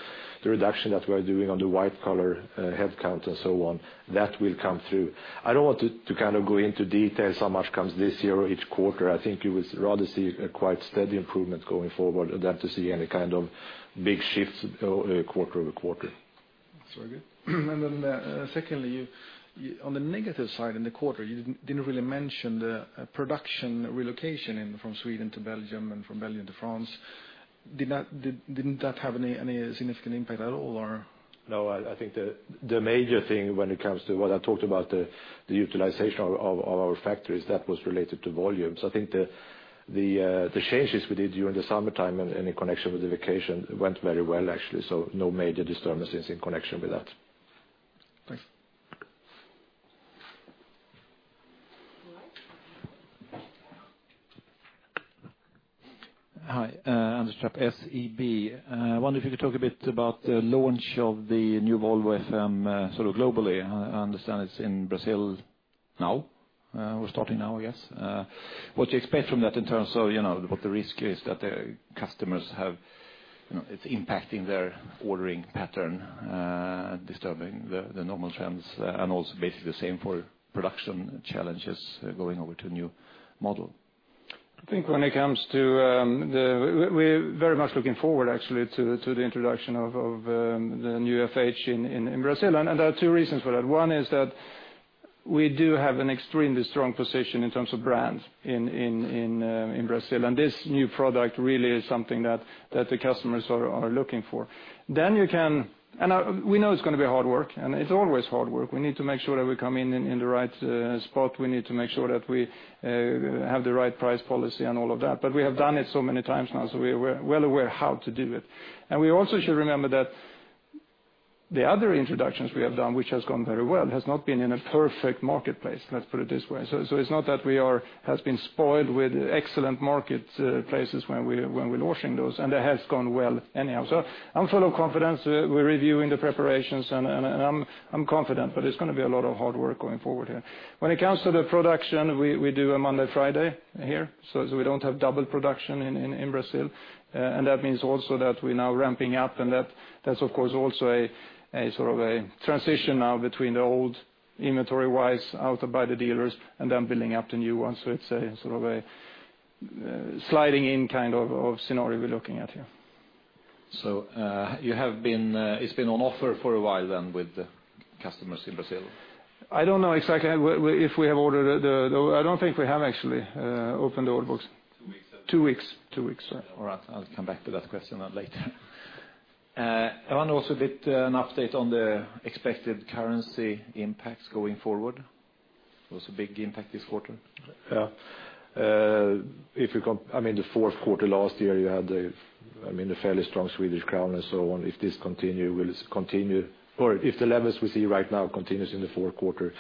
the reduction that we are doing on the white collar headcount and so on. That will come through. I don't want to go into detail how much comes this year or each quarter. I think you would rather see a quite steady improvement going forward than to see any kind of big shifts quarter-over-quarter. That's very good. Secondly, on the negative side in the quarter, you didn't really mention the production relocation from Sweden to Belgium and from Belgium to France. Didn't that have any significant impact at all or? No. I think the major thing when it comes to what I talked about, the utilization of our factories, that was related to volume. I think the changes we did during the summertime and in connection with the vacation went very well, actually. No major disturbances in connection with that. Thanks All right. Hi. Anders Trapp, SEB. I wonder if you could talk a bit about the launch of the new Volvo FM, sort of globally. I understand it's in Brazil now. We're starting now, yes? What do you expect from that in terms of what the risk is that the customers have, it's impacting their ordering pattern, disturbing the normal trends, and also basically the same for production challenges going over to a new model? I think when it comes to. We're very much looking forward, actually, to the introduction of the new FH in Brazil. There are two reasons for that. One is that we do have an extremely strong position in terms of brands in Brazil. This new product really is something that the customers are looking for. We know it's going to be hard work, and it's always hard work. We need to make sure that we come in in the right spot. We need to make sure that we have the right price policy and all of that. We have done it so many times now, so we are well aware how to do it. We also should remember that the other introductions we have done, which has gone very well, has not been in a perfect marketplace. Let's put it this way. It's not that we has been spoiled with excellent marketplaces when we're launching those, and it has gone well anyhow. I'm full of confidence. We're reviewing the preparations, and I'm confident, but it's going to be a lot of hard work going forward here. When it comes to the production, we do a Monday, Friday here, so we don't have double production in Brazil. That means also that we're now ramping up and that's of course also a sort of a transition now between the old inventory-wise out by the dealers and then building up the new one. It's a sort of a sliding in kind of scenario we're looking at here. It's been on offer for a while then with the customers in Brazil? I don't know exactly if we have ordered. I don't think we have actually opened the order books. Two weeks. Two weeks. Two weeks, sorry. All right, I'll come back to that question later. I want also a bit an update on the expected currency impacts going forward. It was a big impact this quarter. I mean, the fourth quarter last year, you had the fairly strong Swedish crown and so on. If this continues. If the levels we see right now continue in the fourth quarter,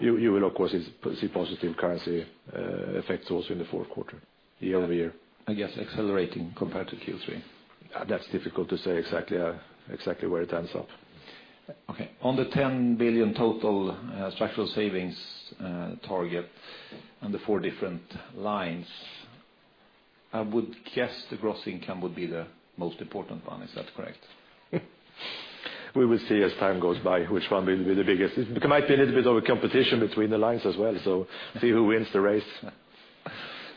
you will of course, see positive currency effects also in the fourth quarter, year-over-year. I guess accelerating compared to Q3. That's difficult to say exactly where it ends up. On the 10 billion total structural savings target and the four different lines, I would guess the gross income would be the most important one. Is that correct? We will see as time goes by which one will be the biggest. It might be a little bit of a competition between the lines as well, so see who wins the race.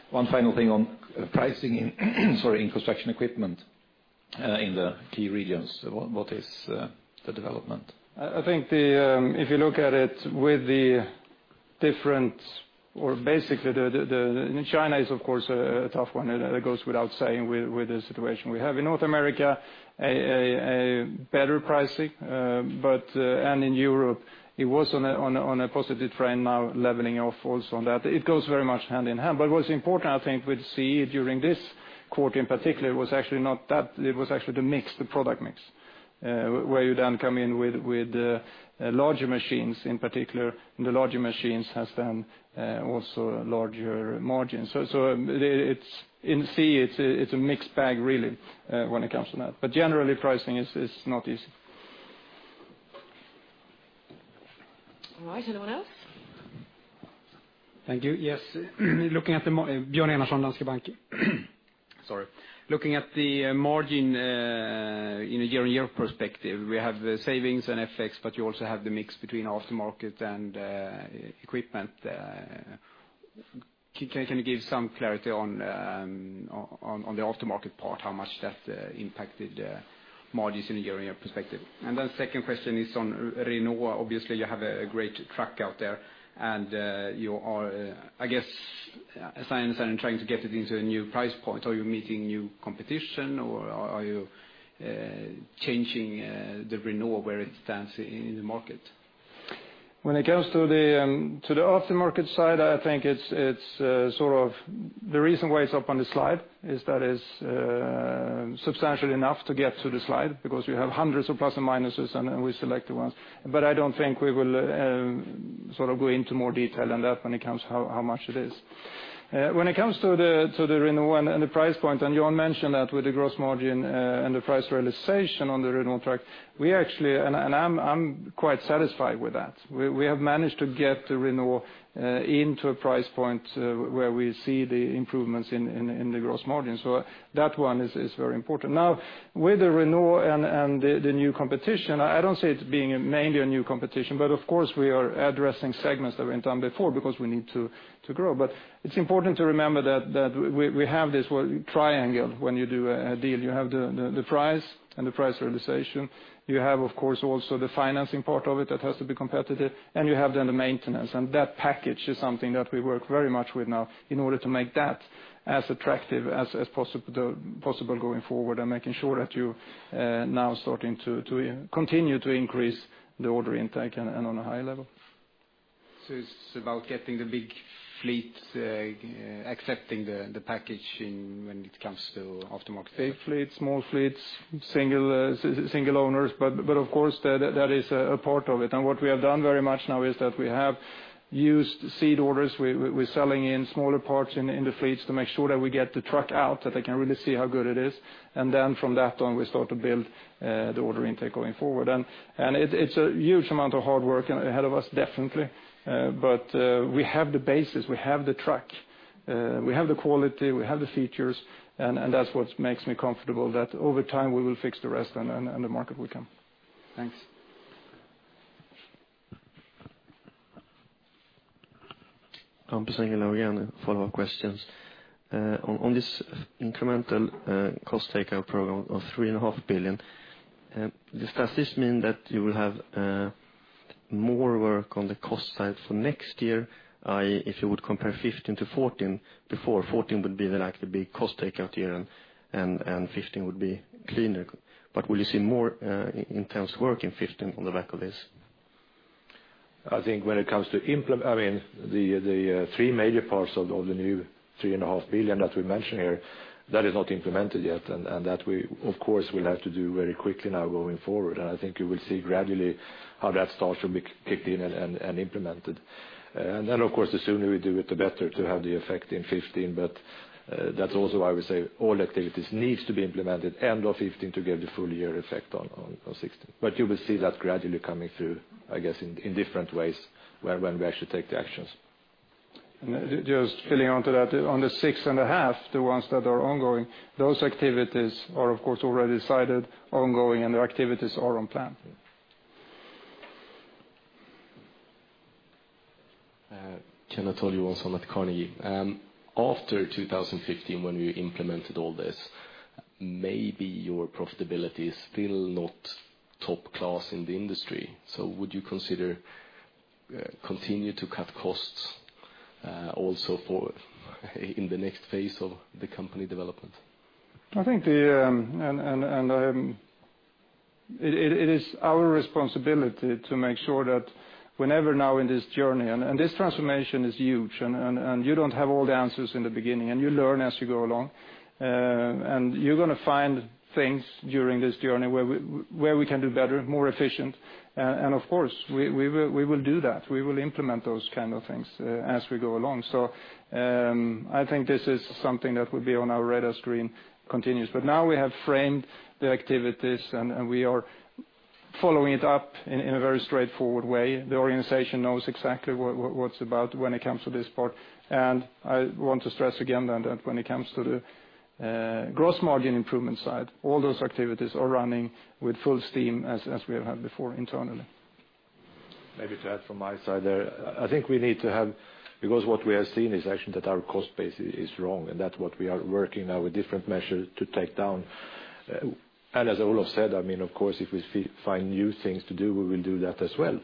One final thing on pricing in construction equipment, in the key regions, what is the development? China is of course a tough one, that goes without saying with the situation we have. In North America, a better pricing, and in Europe it was on a positive trend now leveling off also on that. It goes very much hand in hand. What's important, I think we'll see during this quarter in particular was actually not that, it was actually the mix, the product mix, where you then come in with larger machines in particular, and the larger machines has then also a larger margin. In C, it's a mixed bag really when it comes to that. Generally pricing is not easy. All right. Anyone else? Thank you. Yes. Björn Enarsson, Danske Bank. Sorry. Looking at the margin in a year-on-year perspective, we have the savings and FX, but you also have the mix between aftermarket and equipment. Can you give some clarity on the aftermarket part, how much that impacted margins in a year-on-year perspective? Second question is on Renault. Obviously, you have a great track out there and you are, I guess, as I understand, trying to get it into a new price point. Are you meeting new competition or are you changing the Renault where it stands in the market? When it comes to the aftermarket side, I think it's sort of the reason why it's up on the slide is that it's substantial enough to get to the slide because you have hundreds of plus and minuses, and we select the ones. I don't think we will go into more detail than that when it comes how much it is. When it comes to the Renault and the price point, Jan mentioned that with the gross margin and the price realization on the Renault track, we actually, I'm quite satisfied with that. We have managed to get the Renault into a price point where we see the improvements in the gross margin. That one is very important. Now, with the Renault and the new competition, I don't say it's being mainly a new competition, of course we are addressing segments that we've done before because we need to grow. It's important to remember that we have this triangle when you do a deal. You have the price and the price realization. You have, of course, also the financing part of it that has to be competitive, you have then the maintenance. That package is something that we work very much with now in order to make that as attractive as possible going forward and making sure that you now starting to continue to increase the order intake and on a high level. It's about getting the big fleet accepting the package when it comes to aftermarket. Big fleets, small fleets, single owners, but of course, that is a part of it. What we have done very much now is that we have used seed orders. We're selling in smaller parts in the fleets to make sure that we get the truck out, that they can really see how good it is. Then from that on, we start to build the order intake going forward. It's a huge amount of hard work ahead of us, definitely. We have the basis, we have the truck, we have the quality, we have the features, that's what makes me comfortable that over time we will fix the rest and the market will come. Thanks. Hampus Engellau again, follow-up questions. On this incremental cost takeout program of 3.5 billion, does that mean that you will have more work on the cost side for next year? If you would compare 2015 to 2014, before 2014 would be like the big cost takeout year and 2015 would be cleaner. Will you see more intense work in 2015 on the back of this? I think when it comes to the three major parts of the new 3.5 billion that we mentioned here, that is not implemented yet, that we, of course, will have to do very quickly now going forward. I think you will see gradually how that starts to be kicked in and implemented. Then, of course, the sooner we do it, the better to have the effect in 2015. That's also why we say all activities needs to be implemented end of 2015 to get the full year effect on 2016. You will see that gradually coming through, I guess, in different ways when we actually take the actions. Just filling onto that, on the 6.5 billion, the ones that are ongoing, those activities are, of course, already decided, ongoing, the activities are on plan. Can I throw you one, Mats Konni? After 2015, when we implemented all this, maybe your profitability is still not top class in the industry. Would you consider continue to cut costs also for in the next phase of the company development? I think it is our responsibility to make sure that whenever now in this journey, this transformation is huge, you don't have all the answers in the beginning, you learn as you go along. You're going to find things during this journey where we can do better, more efficient. Of course, we will do that. We will implement those kind of things as we go along. I think this is something that will be on our radar screen continuous. Now we have framed the activities, we are following it up in a very straightforward way. The organization knows exactly what's about when it comes to this part. I want to stress again that when it comes to the gross margin improvement side, all those activities are running with full steam as we have had before internally. Maybe to add from my side there, I think we need to have, because what we have seen is actually that our cost base is wrong, that's what we are working now with different measures to take down. As Olof said, of course, if we find new things to do, we will do that as well.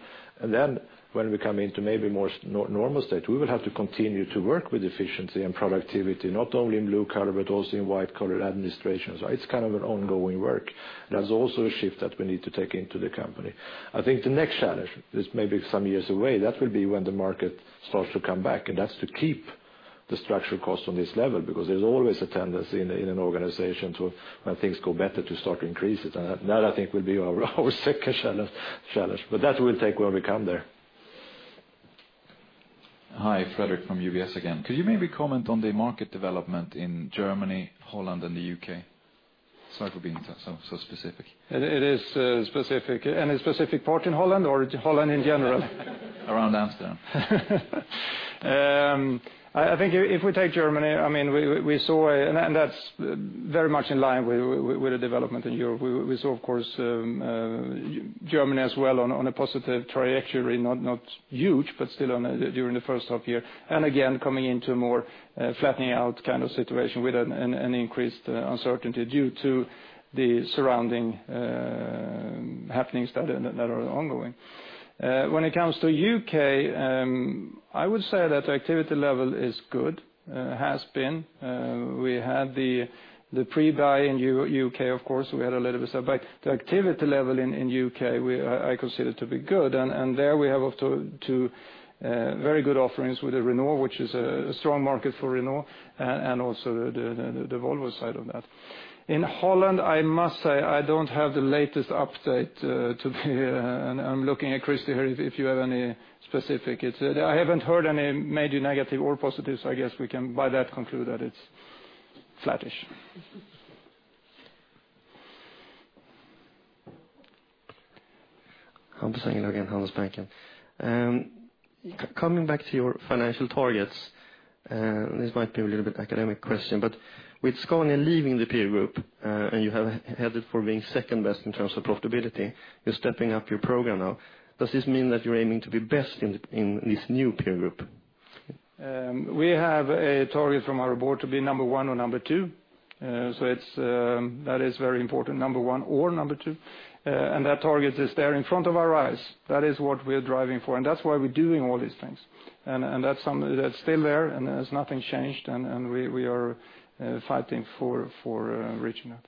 When we come into maybe more normal state, we will have to continue to work with efficiency and productivity, not only in blue collar, but also in white collar administrations. It's kind of an ongoing work. That's also a shift that we need to take into the company. I think the next challenge is maybe some years away. That will be when the market starts to come back, that's to keep the structural cost on this level, because there's always a tendency in an organization to, when things go better, to start increases. That I think will be our second challenge. That we'll take when we come there. Hi, Fredric from UBS again. Could you maybe comment on the market development in Germany, Holland, and the U.K.? Sorry for being so specific. It is specific. Any specific part in Holland or Holland in general? Around Amsterdam. I think if we take Germany, that's very much in line with the development in Europe. We saw, of course, Germany as well on a positive trajectory, not huge, but still during the first half-year, coming into a more flattening out kind of situation with an increased uncertainty due to the surrounding happenings that are ongoing. When it comes to the U.K., I would say that the activity level is good, has been. We had the pre-buy in the U.K., of course, we had a little bit of buy. The activity level in the U.K., I consider to be good. There we have up to two very good offerings with the Renault, which is a strong market for Renault, and also the Volvo side of that. In Holland, I must say I don't have the latest update to the. I'm looking at Christer here if you have any specific. I haven't heard any major negative or positive, I guess we can by that conclude that it's flattish. Hampus Engellau again, Handelsbanken. Coming back to your financial targets, this might be a little bit academic question, with Scania leaving the peer group, you have headed for being second best in terms of profitability, you're stepping up your program now. Does this mean that you're aiming to be best in this new peer group? We have a target from our board to be number one or number two. That is very important, number one or number two. That target is there in front of our eyes. That is what we are driving for, and that's why we're doing all these things. That's still there, and there's nothing changed, and we are fighting for reaching that.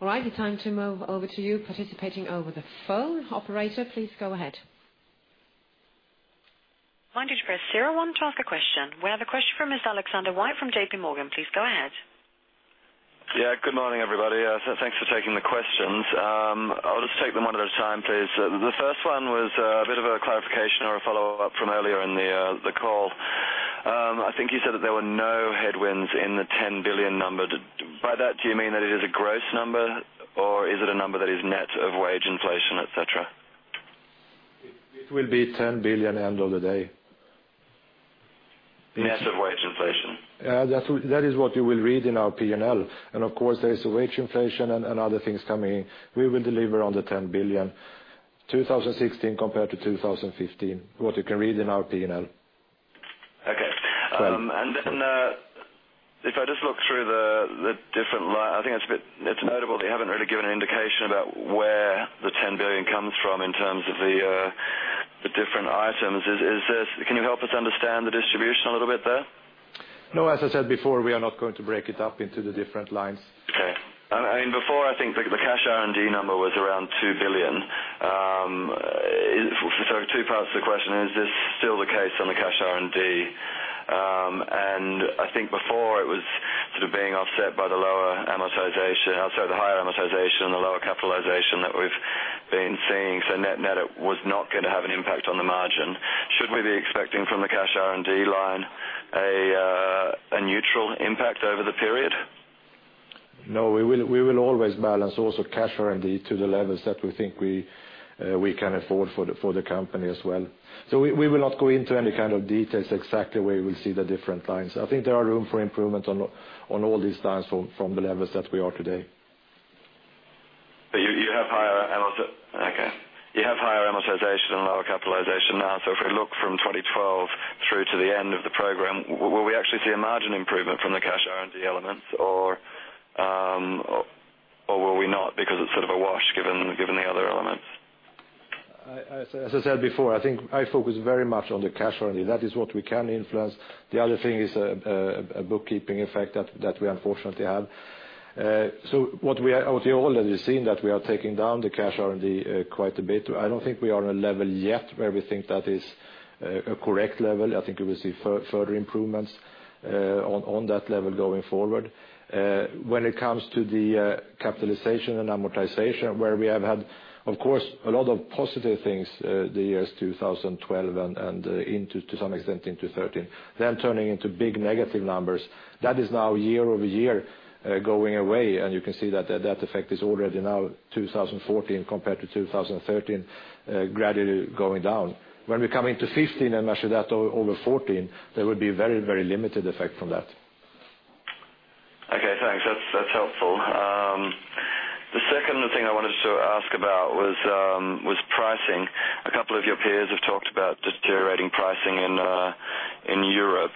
All right. It's time to move over to you participating over the phone. Operator, please go ahead. Remind you to press zero one to ask a question. We have a question from Ms. Alex White from JP Morgan. Please go ahead. Yeah. Good morning, everybody. Thanks for taking the questions. I'll just take them one at a time, please. The first one was a bit of a clarification or a follow-up from earlier in the call. I think you said that there were no headwinds in the 10 billion number. By that, do you mean that it is a gross number, or is it a number that is net of wage inflation, et cetera? It will be 10 billion end of the day. Net of wage inflation? Yeah, that is what you will read in our P&L. Of course, there is wage inflation and other things coming in. We will deliver on the 10 billion 2016 compared to 2015, what you can read in our P&L. Okay. 12. If I just look through the different line, I think it is notable that you haven't really given an indication about where the 10 billion comes from in terms of the different items. Can you help us understand the distribution a little bit there? No. As I said before, we are not going to break it up into the different lines. Okay. Before I think the cash R&D number was around 2 billion. Two parts to the question, is this still the case on the cash R&D? I think before it was sort of being offset by the higher amortization and the lower capitalization that we've been seeing, net was not going to have an impact on the margin. Should we be expecting from the cash R&D line a neutral impact over the period? We will always balance also cash R&D to the levels that we think we can afford for the company as well. We will not go into any kind of details exactly where we see the different lines. I think there are room for improvement on all these lines from the levels that we are today. You have higher amortization and lower capitalization now, if we look from 2012 through to the end of the program, will we actually see a margin improvement from the cash R&D elements, or will we not because it's sort of a wash given the other elements? As I said before, I think I focus very much on the cash R&D. That is what we can influence. The other thing is a bookkeeping effect that we unfortunately have. What we have already seen that we are taking down the cash R&D quite a bit. I don't think we are at a level yet where we think that is a correct level. I think we will see further improvements on that level going forward. When it comes to the capitalization and amortization, where we have had, of course, a lot of positive things, the years 2012 and to some extent into 2013, then turning into big negative numbers. That is now year-over-year, going away, and you can see that effect is already now 2014 compared to 2013, gradually going down. When we come into 2015 and measure that over 2014, there would be very limited effect from that. Okay, thanks. That's helpful. The second thing I wanted to ask about was pricing. A couple of your peers have talked about deteriorating pricing in Europe,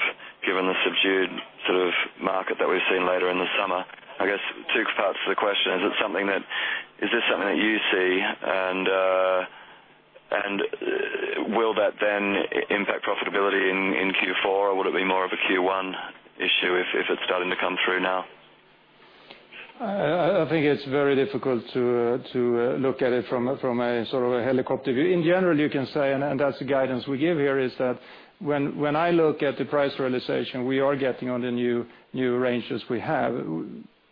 given the subdued sort of market that we've seen later in the summer. Two parts to the question, is this something that you see, and will that then impact profitability in Q4, or would it be more of a Q1 issue if it's starting to come through now? It's very difficult to look at it from a sort of a helicopter view. In general, you can say, and that's the guidance we give here, is that when I look at the price realization we are getting on the new ranges we have,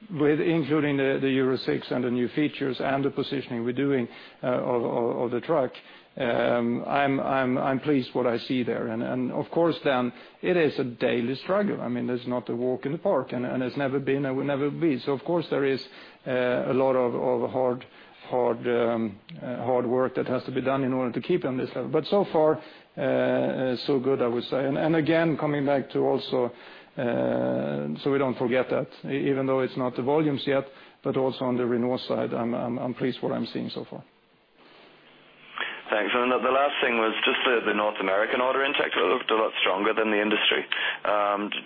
including the Euro 6 and the new features and the positioning we're doing of the truck, I'm pleased what I see there. Of course, then it is a daily struggle. I mean, it's not a walk in the park, and it's never been and will never be. Of course, there is a lot of hard work that has to be done in order to keep on this level. So far, so good, I would say. Again, coming back to also, so we don't forget that, even though it's not the volumes yet, but also on the Renault side, I'm pleased what I'm seeing so far. Thanks. The last thing was just the North American order intake looked a lot stronger than the industry.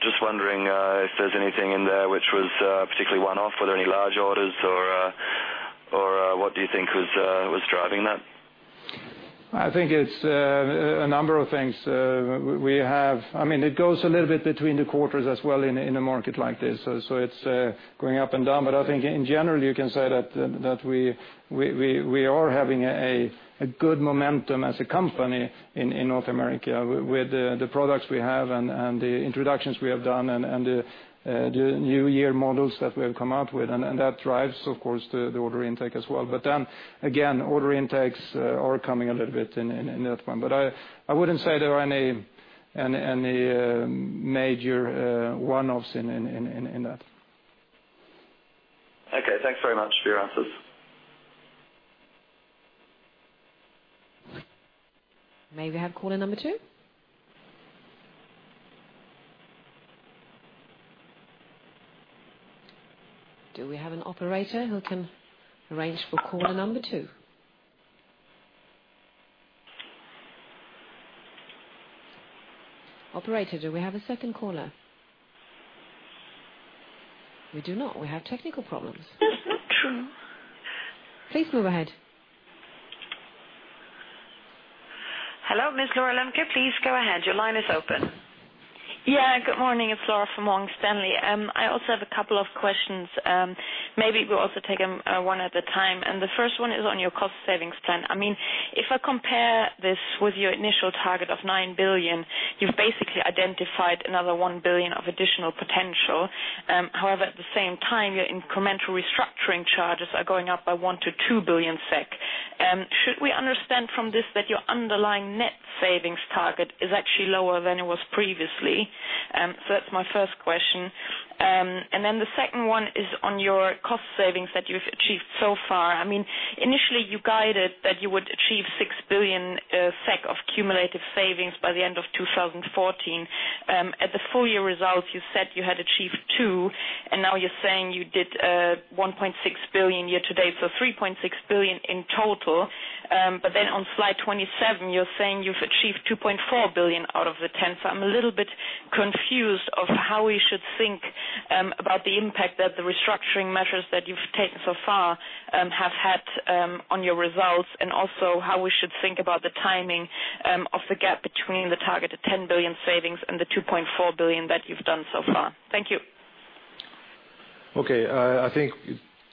Just wondering if there's anything in there which was particularly one-off. Were there any large orders or what do you think was driving that? I think it's a number of things. It goes a little bit between the quarters as well in a market like this, so it's going up and down. I think in general, you can say that we are having a good momentum as a company in North America with the products we have and the introductions we have done and the new year models that we have come out with, and that drives, of course, the order intake as well. Then again, order intakes are coming a little bit in that one. I wouldn't say there are any major one-offs in that. Okay. Thanks very much for your answers. May we have caller number two? Do we have an operator who can arrange for caller number two? Operator, do we have a second caller? We do not. We have technical problems. That's not true. Please move ahead. Hello, Ms. Laura Lemke, please go ahead. Your line is open. Good morning. It's Laura from Morgan Stanley. I also have a couple of questions. Maybe we'll also take one at a time. The first one is on your cost savings plan. If I compare this with your initial target of 9 billion, you've basically identified another 1 billion of additional potential. However, at the same time, your incremental restructuring charges are going up by 1 billion to 2 billion SEK. Should we understand from this that your underlying net savings target is actually lower than it was previously? That's my first question. The second one is on your cost savings that you've achieved so far. Initially you guided that you would achieve 6 billion SEK of cumulative savings by the end of 2014. At the full year results, you said you had achieved 2. Now you're saying you did 1.6 billion year to date, 3.6 billion in total. On slide 27, you're saying you've achieved 2.4 billion out of the 10. I'm a little bit confused of how we should think about the impact that the restructuring measures that you've taken so far have had on your results, and also how we should think about the timing of the gap between the targeted 10 billion savings and the 2.4 billion that you've done so far. Thank you. Okay. I think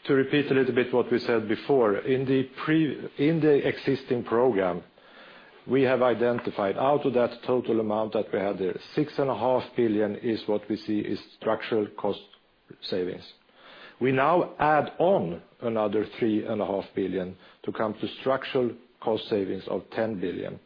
to repeat a little bit what we said before, in the existing program, we have identified out of that total amount that we had there, 6.5 billion is what we see is structural cost savings. We now add on another 3.5 billion to come to structural cost savings of 10 billion.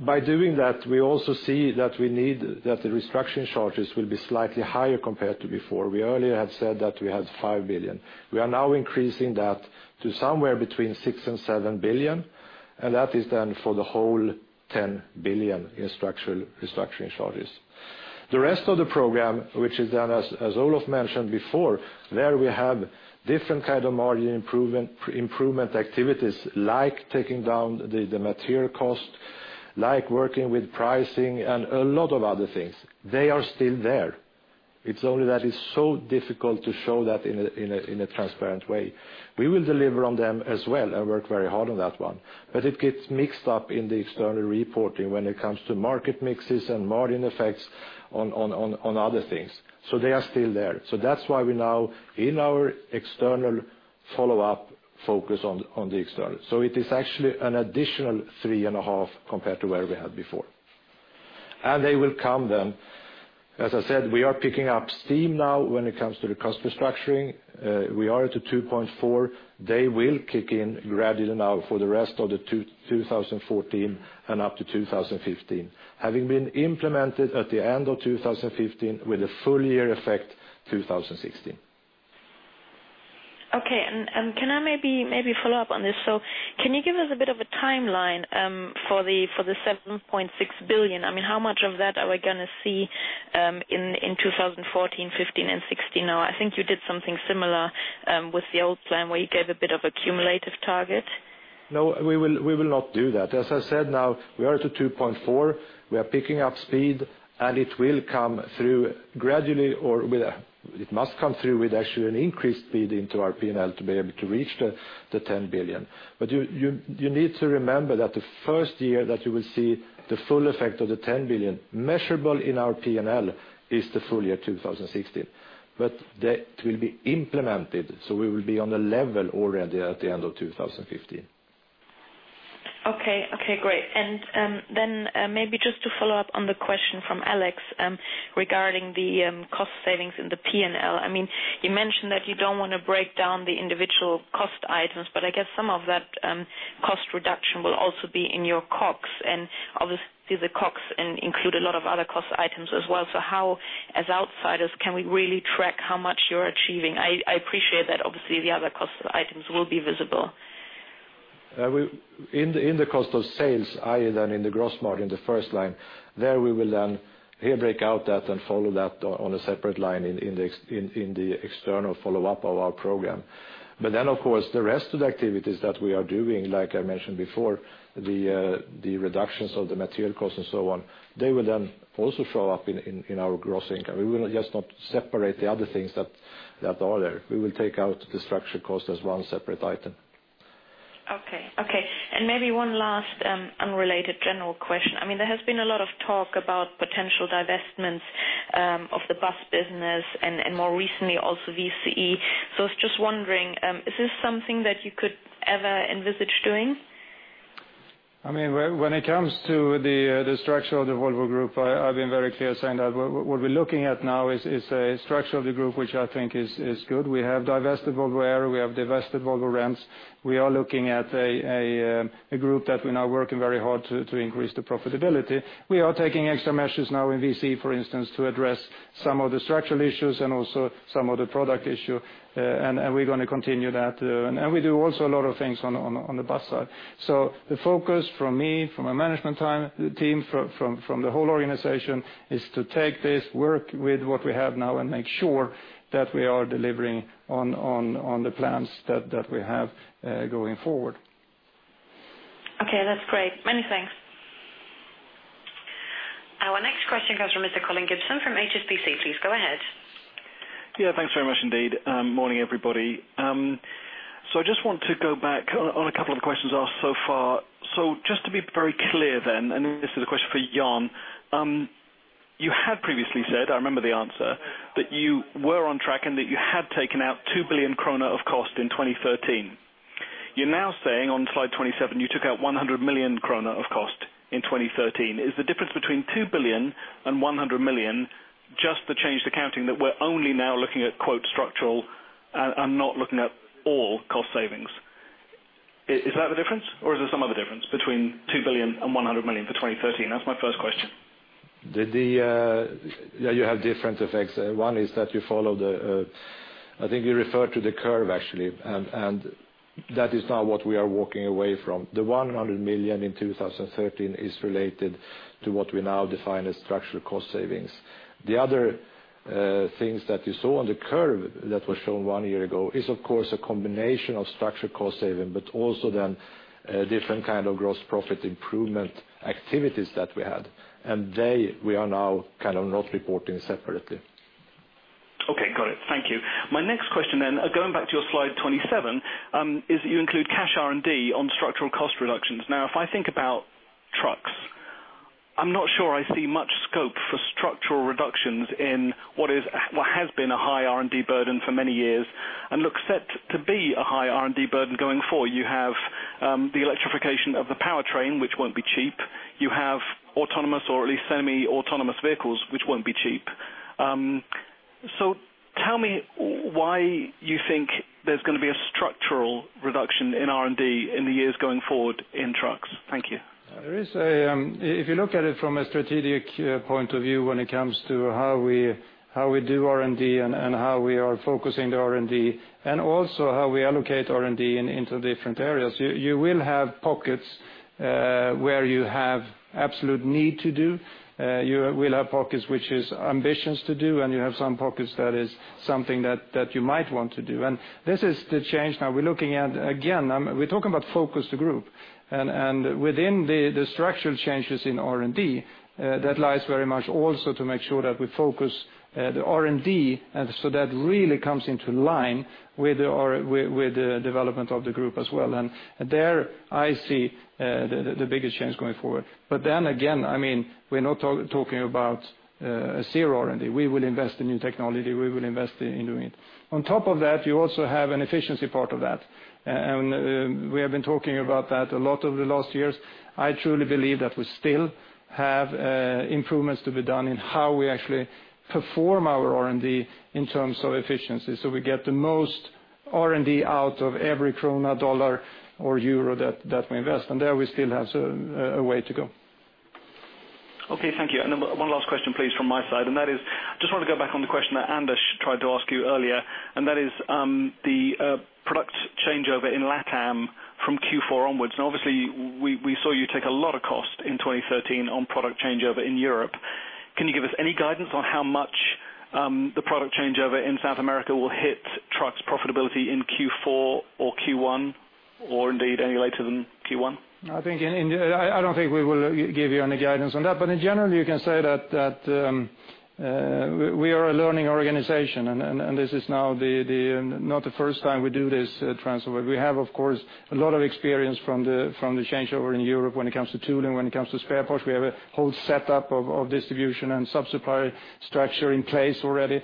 By doing that, we also see that the restructuring charges will be slightly higher compared to before. We earlier had said that we had 5 billion. We are now increasing that to somewhere between 6 billion and 7 billion. That is then for the whole 10 billion in restructuring charges. The rest of the program, which is then as Olof mentioned before, there we have different kind of margin improvement activities like taking down the material cost, like working with pricing and a lot of other things. They are still there. It's only that it's so difficult to show that in a transparent way. We will deliver on them as well and work very hard on that one. It gets mixed up in the external reporting when it comes to market mixes and margin effects on other things. They are still there. That's why we now in our external follow-up focus on the external. It is actually an additional 3.5 compared to where we had before. They will come then. As I said, we are picking up steam now when it comes to the cost restructuring. We are at a 2.4. They will kick in gradually now for the rest of the 2014 and up to 2015, having been implemented at the end of 2015 with a full year effect 2016. Okay. Can I maybe follow up on this? Can you give us a bit of a timeline for the 7.6 billion? How much of that are we going to see in 2014, 2015, and 2016 now? I think you did something similar with the old plan where you gave a bit of a cumulative target. No, we will not do that. As I said, now we are at a 2.4. We are picking up speed, it will come through gradually, or it must come through with actually an increased speed into our P&L to be able to reach the 10 billion. You need to remember that the first year that you will see the full effect of the 10 billion measurable in our P&L is the full year 2016. That will be implemented, so we will be on the level already at the end of 2015. Okay, great. Then maybe just to follow up on the question from Alex regarding the cost savings in the P&L. You mentioned that you don't want to break down the individual cost items, I guess some of that cost reduction will also be in your COGS and obviously the COGS include a lot of other cost items as well. How as outsiders can we really track how much you're achieving? I appreciate that obviously the other cost items will be visible. In the cost of sales, i.e. then in the gross margin, the first line, there we will then here break out that and follow that on a separate line in the external follow-up of our program. Of course the rest of the activities that we are doing, like I mentioned before, the reductions of the material cost and so on, they will then also show up in our gross income. We will just not separate the other things that are there. We will take out the structural cost as one separate item. Okay. Maybe one last unrelated general question. There has been a lot of talk about potential divestments of the bus business and more recently, also VCE. I was just wondering, is this something that you could ever envisage doing? When it comes to the structure of the Volvo Group, I've been very clear saying that what we're looking at now is a structure of the group which I think is good. We have divested Volvo Aero, we have divested Volvo Rents. We are looking at a group that we're now working very hard to increase the profitability. We are taking extra measures now in VCE, for instance, to address some of the structural issues and also some of the product issue, and we're going to continue that. We do also a lot of things on the bus side. The focus from me, from my management team, from the whole organization, is to take this work with what we have now and make sure that we are delivering on the plans that we have going forward. Okay, that's great. Many thanks. This question comes from Mr. Colin Gibson from HSBC. Please go ahead. Yeah, thanks very much indeed. Morning, everybody. I just want to go back on a couple of questions asked so far. Just to be very clear then, this is a question for Jan. You had previously said, I remember the answer, that you were on track and that you had taken out 2 billion krona of cost in 2013. You're now saying on slide 27, you took out 100 million krona of cost in 2013. Is the difference between 2 billion and 100 million just the changed accounting that we're only now looking at quote structural and not looking at all cost savings? Is that the difference or is there some other difference between 2 billion and 100 million for 2013? That's my first question. Yeah, you have different effects. One is that you follow the curve actually, and that is now what we are walking away from. The 100 million in 2013 is related to what we now define as structural cost savings. The other things that you saw on the curve that was shown one year ago is of course a combination of structural cost saving, but also then different kind of gross profit improvement activities that we had. They, we are now kind of not reporting separately. Okay. Got it. Thank you. My next question, going back to your slide 27, is that you include cash R&D on structural cost reductions. If I think about trucks, I'm not sure I see much scope for structural reductions in what has been a high R&D burden for many years, and looks set to be a high R&D burden going forward. You have the electrification of the powertrain, which won't be cheap. You have autonomous or at least semi-autonomous vehicles, which won't be cheap. Tell me why you think there's going to be a structural reduction in R&D in the years going forward in trucks. Thank you. If you look at it from a strategic point of view when it comes to how we do R&D and how we are focusing the R&D, also how we allocate R&D into different areas, you will have pockets, where you have absolute need to do, you will have pockets which is ambitions to do, you have some pockets that is something that you might want to do. This is the change now we're looking at. Again, we're talking about focus the group. Within the structural changes in R&D, that lies very much also to make sure that we focus the R&D so that really comes into line with the development of the group as well. There I see the biggest change going forward. Again, we're not talking about a zero R&D. We will invest in new technology. We will invest in doing it. On top of that, you also have an efficiency part of that. We have been talking about that a lot over the last years. I truly believe that we still have improvements to be done in how we actually perform our R&D in terms of efficiency. We get the most R&D out of every SEK, USD, or EUR that we invest. There we still have a way to go. Okay, thank you. One last question, please, from my side, that is, I just want to go back on the question that Anders tried to ask you earlier, that is the product changeover in LatAm from Q4 onwards. Now, obviously, we saw you take a lot of cost in 2013 on product changeover in Europe. Can you give us any guidance on how much the product changeover in South America will hit trucks profitability in Q4 or Q1? Or indeed any later than Q1? I don't think we will give you any guidance on that. In general, you can say that we are a learning organization this is now not the first time we do this transfer. We have, of course, a lot of experience from the changeover in Europe when it comes to tooling, when it comes to spare parts. We have a whole setup of distribution and sub-supplier structure in place already.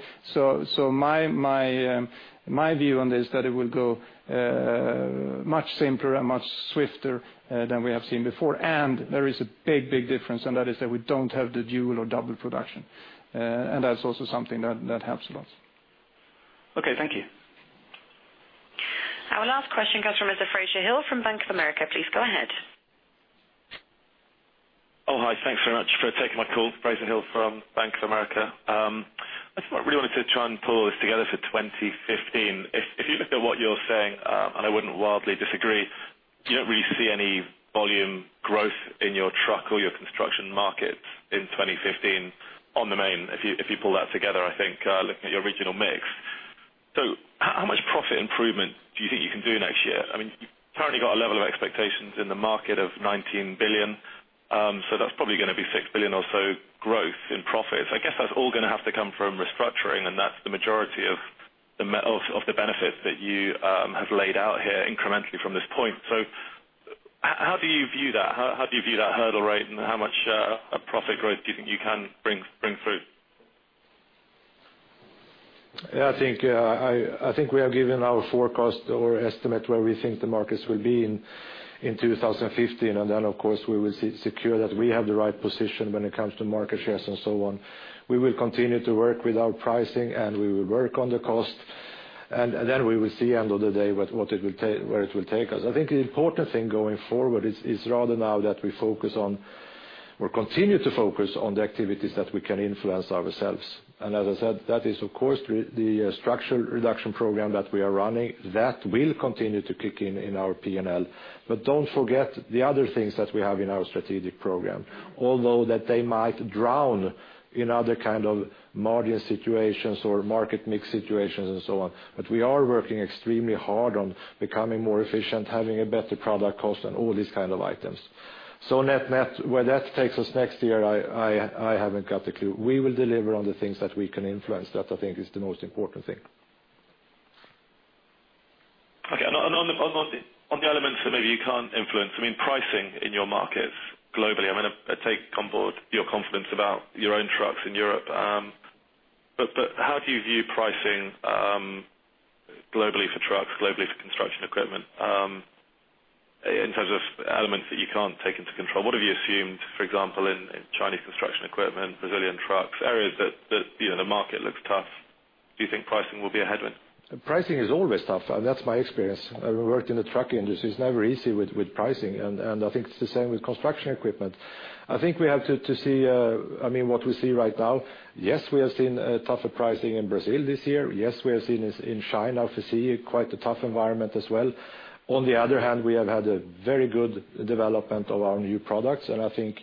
My view on this is that it will go much simpler and much swifter, than we have seen before. There is a big, big difference, that is that we don't have the dual or double production. That's also something that helps a lot. Okay, thank you. Our last question comes from Mr. Fraser Hill from Bank of America. Please go ahead. Oh, hi. Thanks very much for taking my call. Fraser Hill from Bank of America. I really wanted to try and pull this together for 2015. If you look at what you're saying, and I wouldn't wildly disagree, you don't really see any volume growth in your truck or your construction markets in 2015 on the main, if you pull that together, I think, looking at your original mix. How much profit improvement do you think you can do next year? You've currently got a level of expectations in the market of 19 billion. That's probably going to be 6 billion or so growth in profits. I guess that's all going to have to come from restructuring, and that's the majority of the benefit that you have laid out here incrementally from this point. How do you view that? How do you view that hurdle rate and how much profit growth do you think you can bring fruit? I think we have given our forecast or estimate where we think the markets will be in 2015. Then, of course, we will secure that we have the right position when it comes to market shares and so on. We will continue to work with our pricing, and we will work on the cost, and then we will see end of the day where it will take us. I think the important thing going forward is rather now that we focus on or continue to focus on the activities that we can influence ourselves. As I said, that is of course the structural reduction program that we are running that will continue to kick in in our P&L. Don't forget the other things that we have in our strategic program, although that they might drown in other kind of margin situations or market mix situations and so on. We are working extremely hard on becoming more efficient, having a better product cost, and all these kind of items. Where that takes us next year, I haven't got a clue. We will deliver on the things that we can influence. That I think is the most important thing. Okay. On the elements that maybe you can't influence, pricing in your markets globally, I take on board your confidence about your own trucks in Europe. How do you view pricing globally for trucks, globally for construction equipment? In terms of elements that you can't take into control, what have you assumed, for example, in Chinese construction equipment, Brazilian trucks, areas that the market looks tough. Do you think pricing will be a headwind? Pricing is always tough. That's my experience. I worked in the truck industry. It's never easy with pricing, and I think it's the same with construction equipment. I think we have to see what we see right now. Yes, we have seen a tougher pricing in Brazil this year. Yes, we have seen in China, obviously, quite a tough environment as well. On the other hand, we have had a very good development of our new products. I think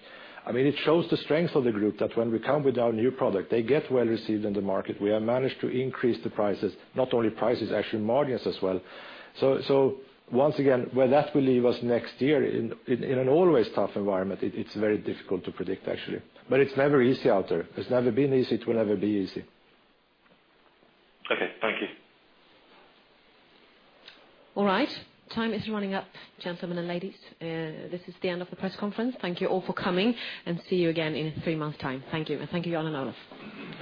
it shows the strength of the group that when we come with our new product, they get well received in the market. We have managed to increase the prices, not only prices, actually margins as well. Once again, where that will leave us next year in an always tough environment, it's very difficult to predict actually. It's never easy out there. It's never been easy, it will never be easy. Okay, thank you. All right. Time is running up, gentlemen and ladies. This is the end of the press conference. Thank you all for coming and see you again in three months time. Thank you. Thank you Jan and Olof.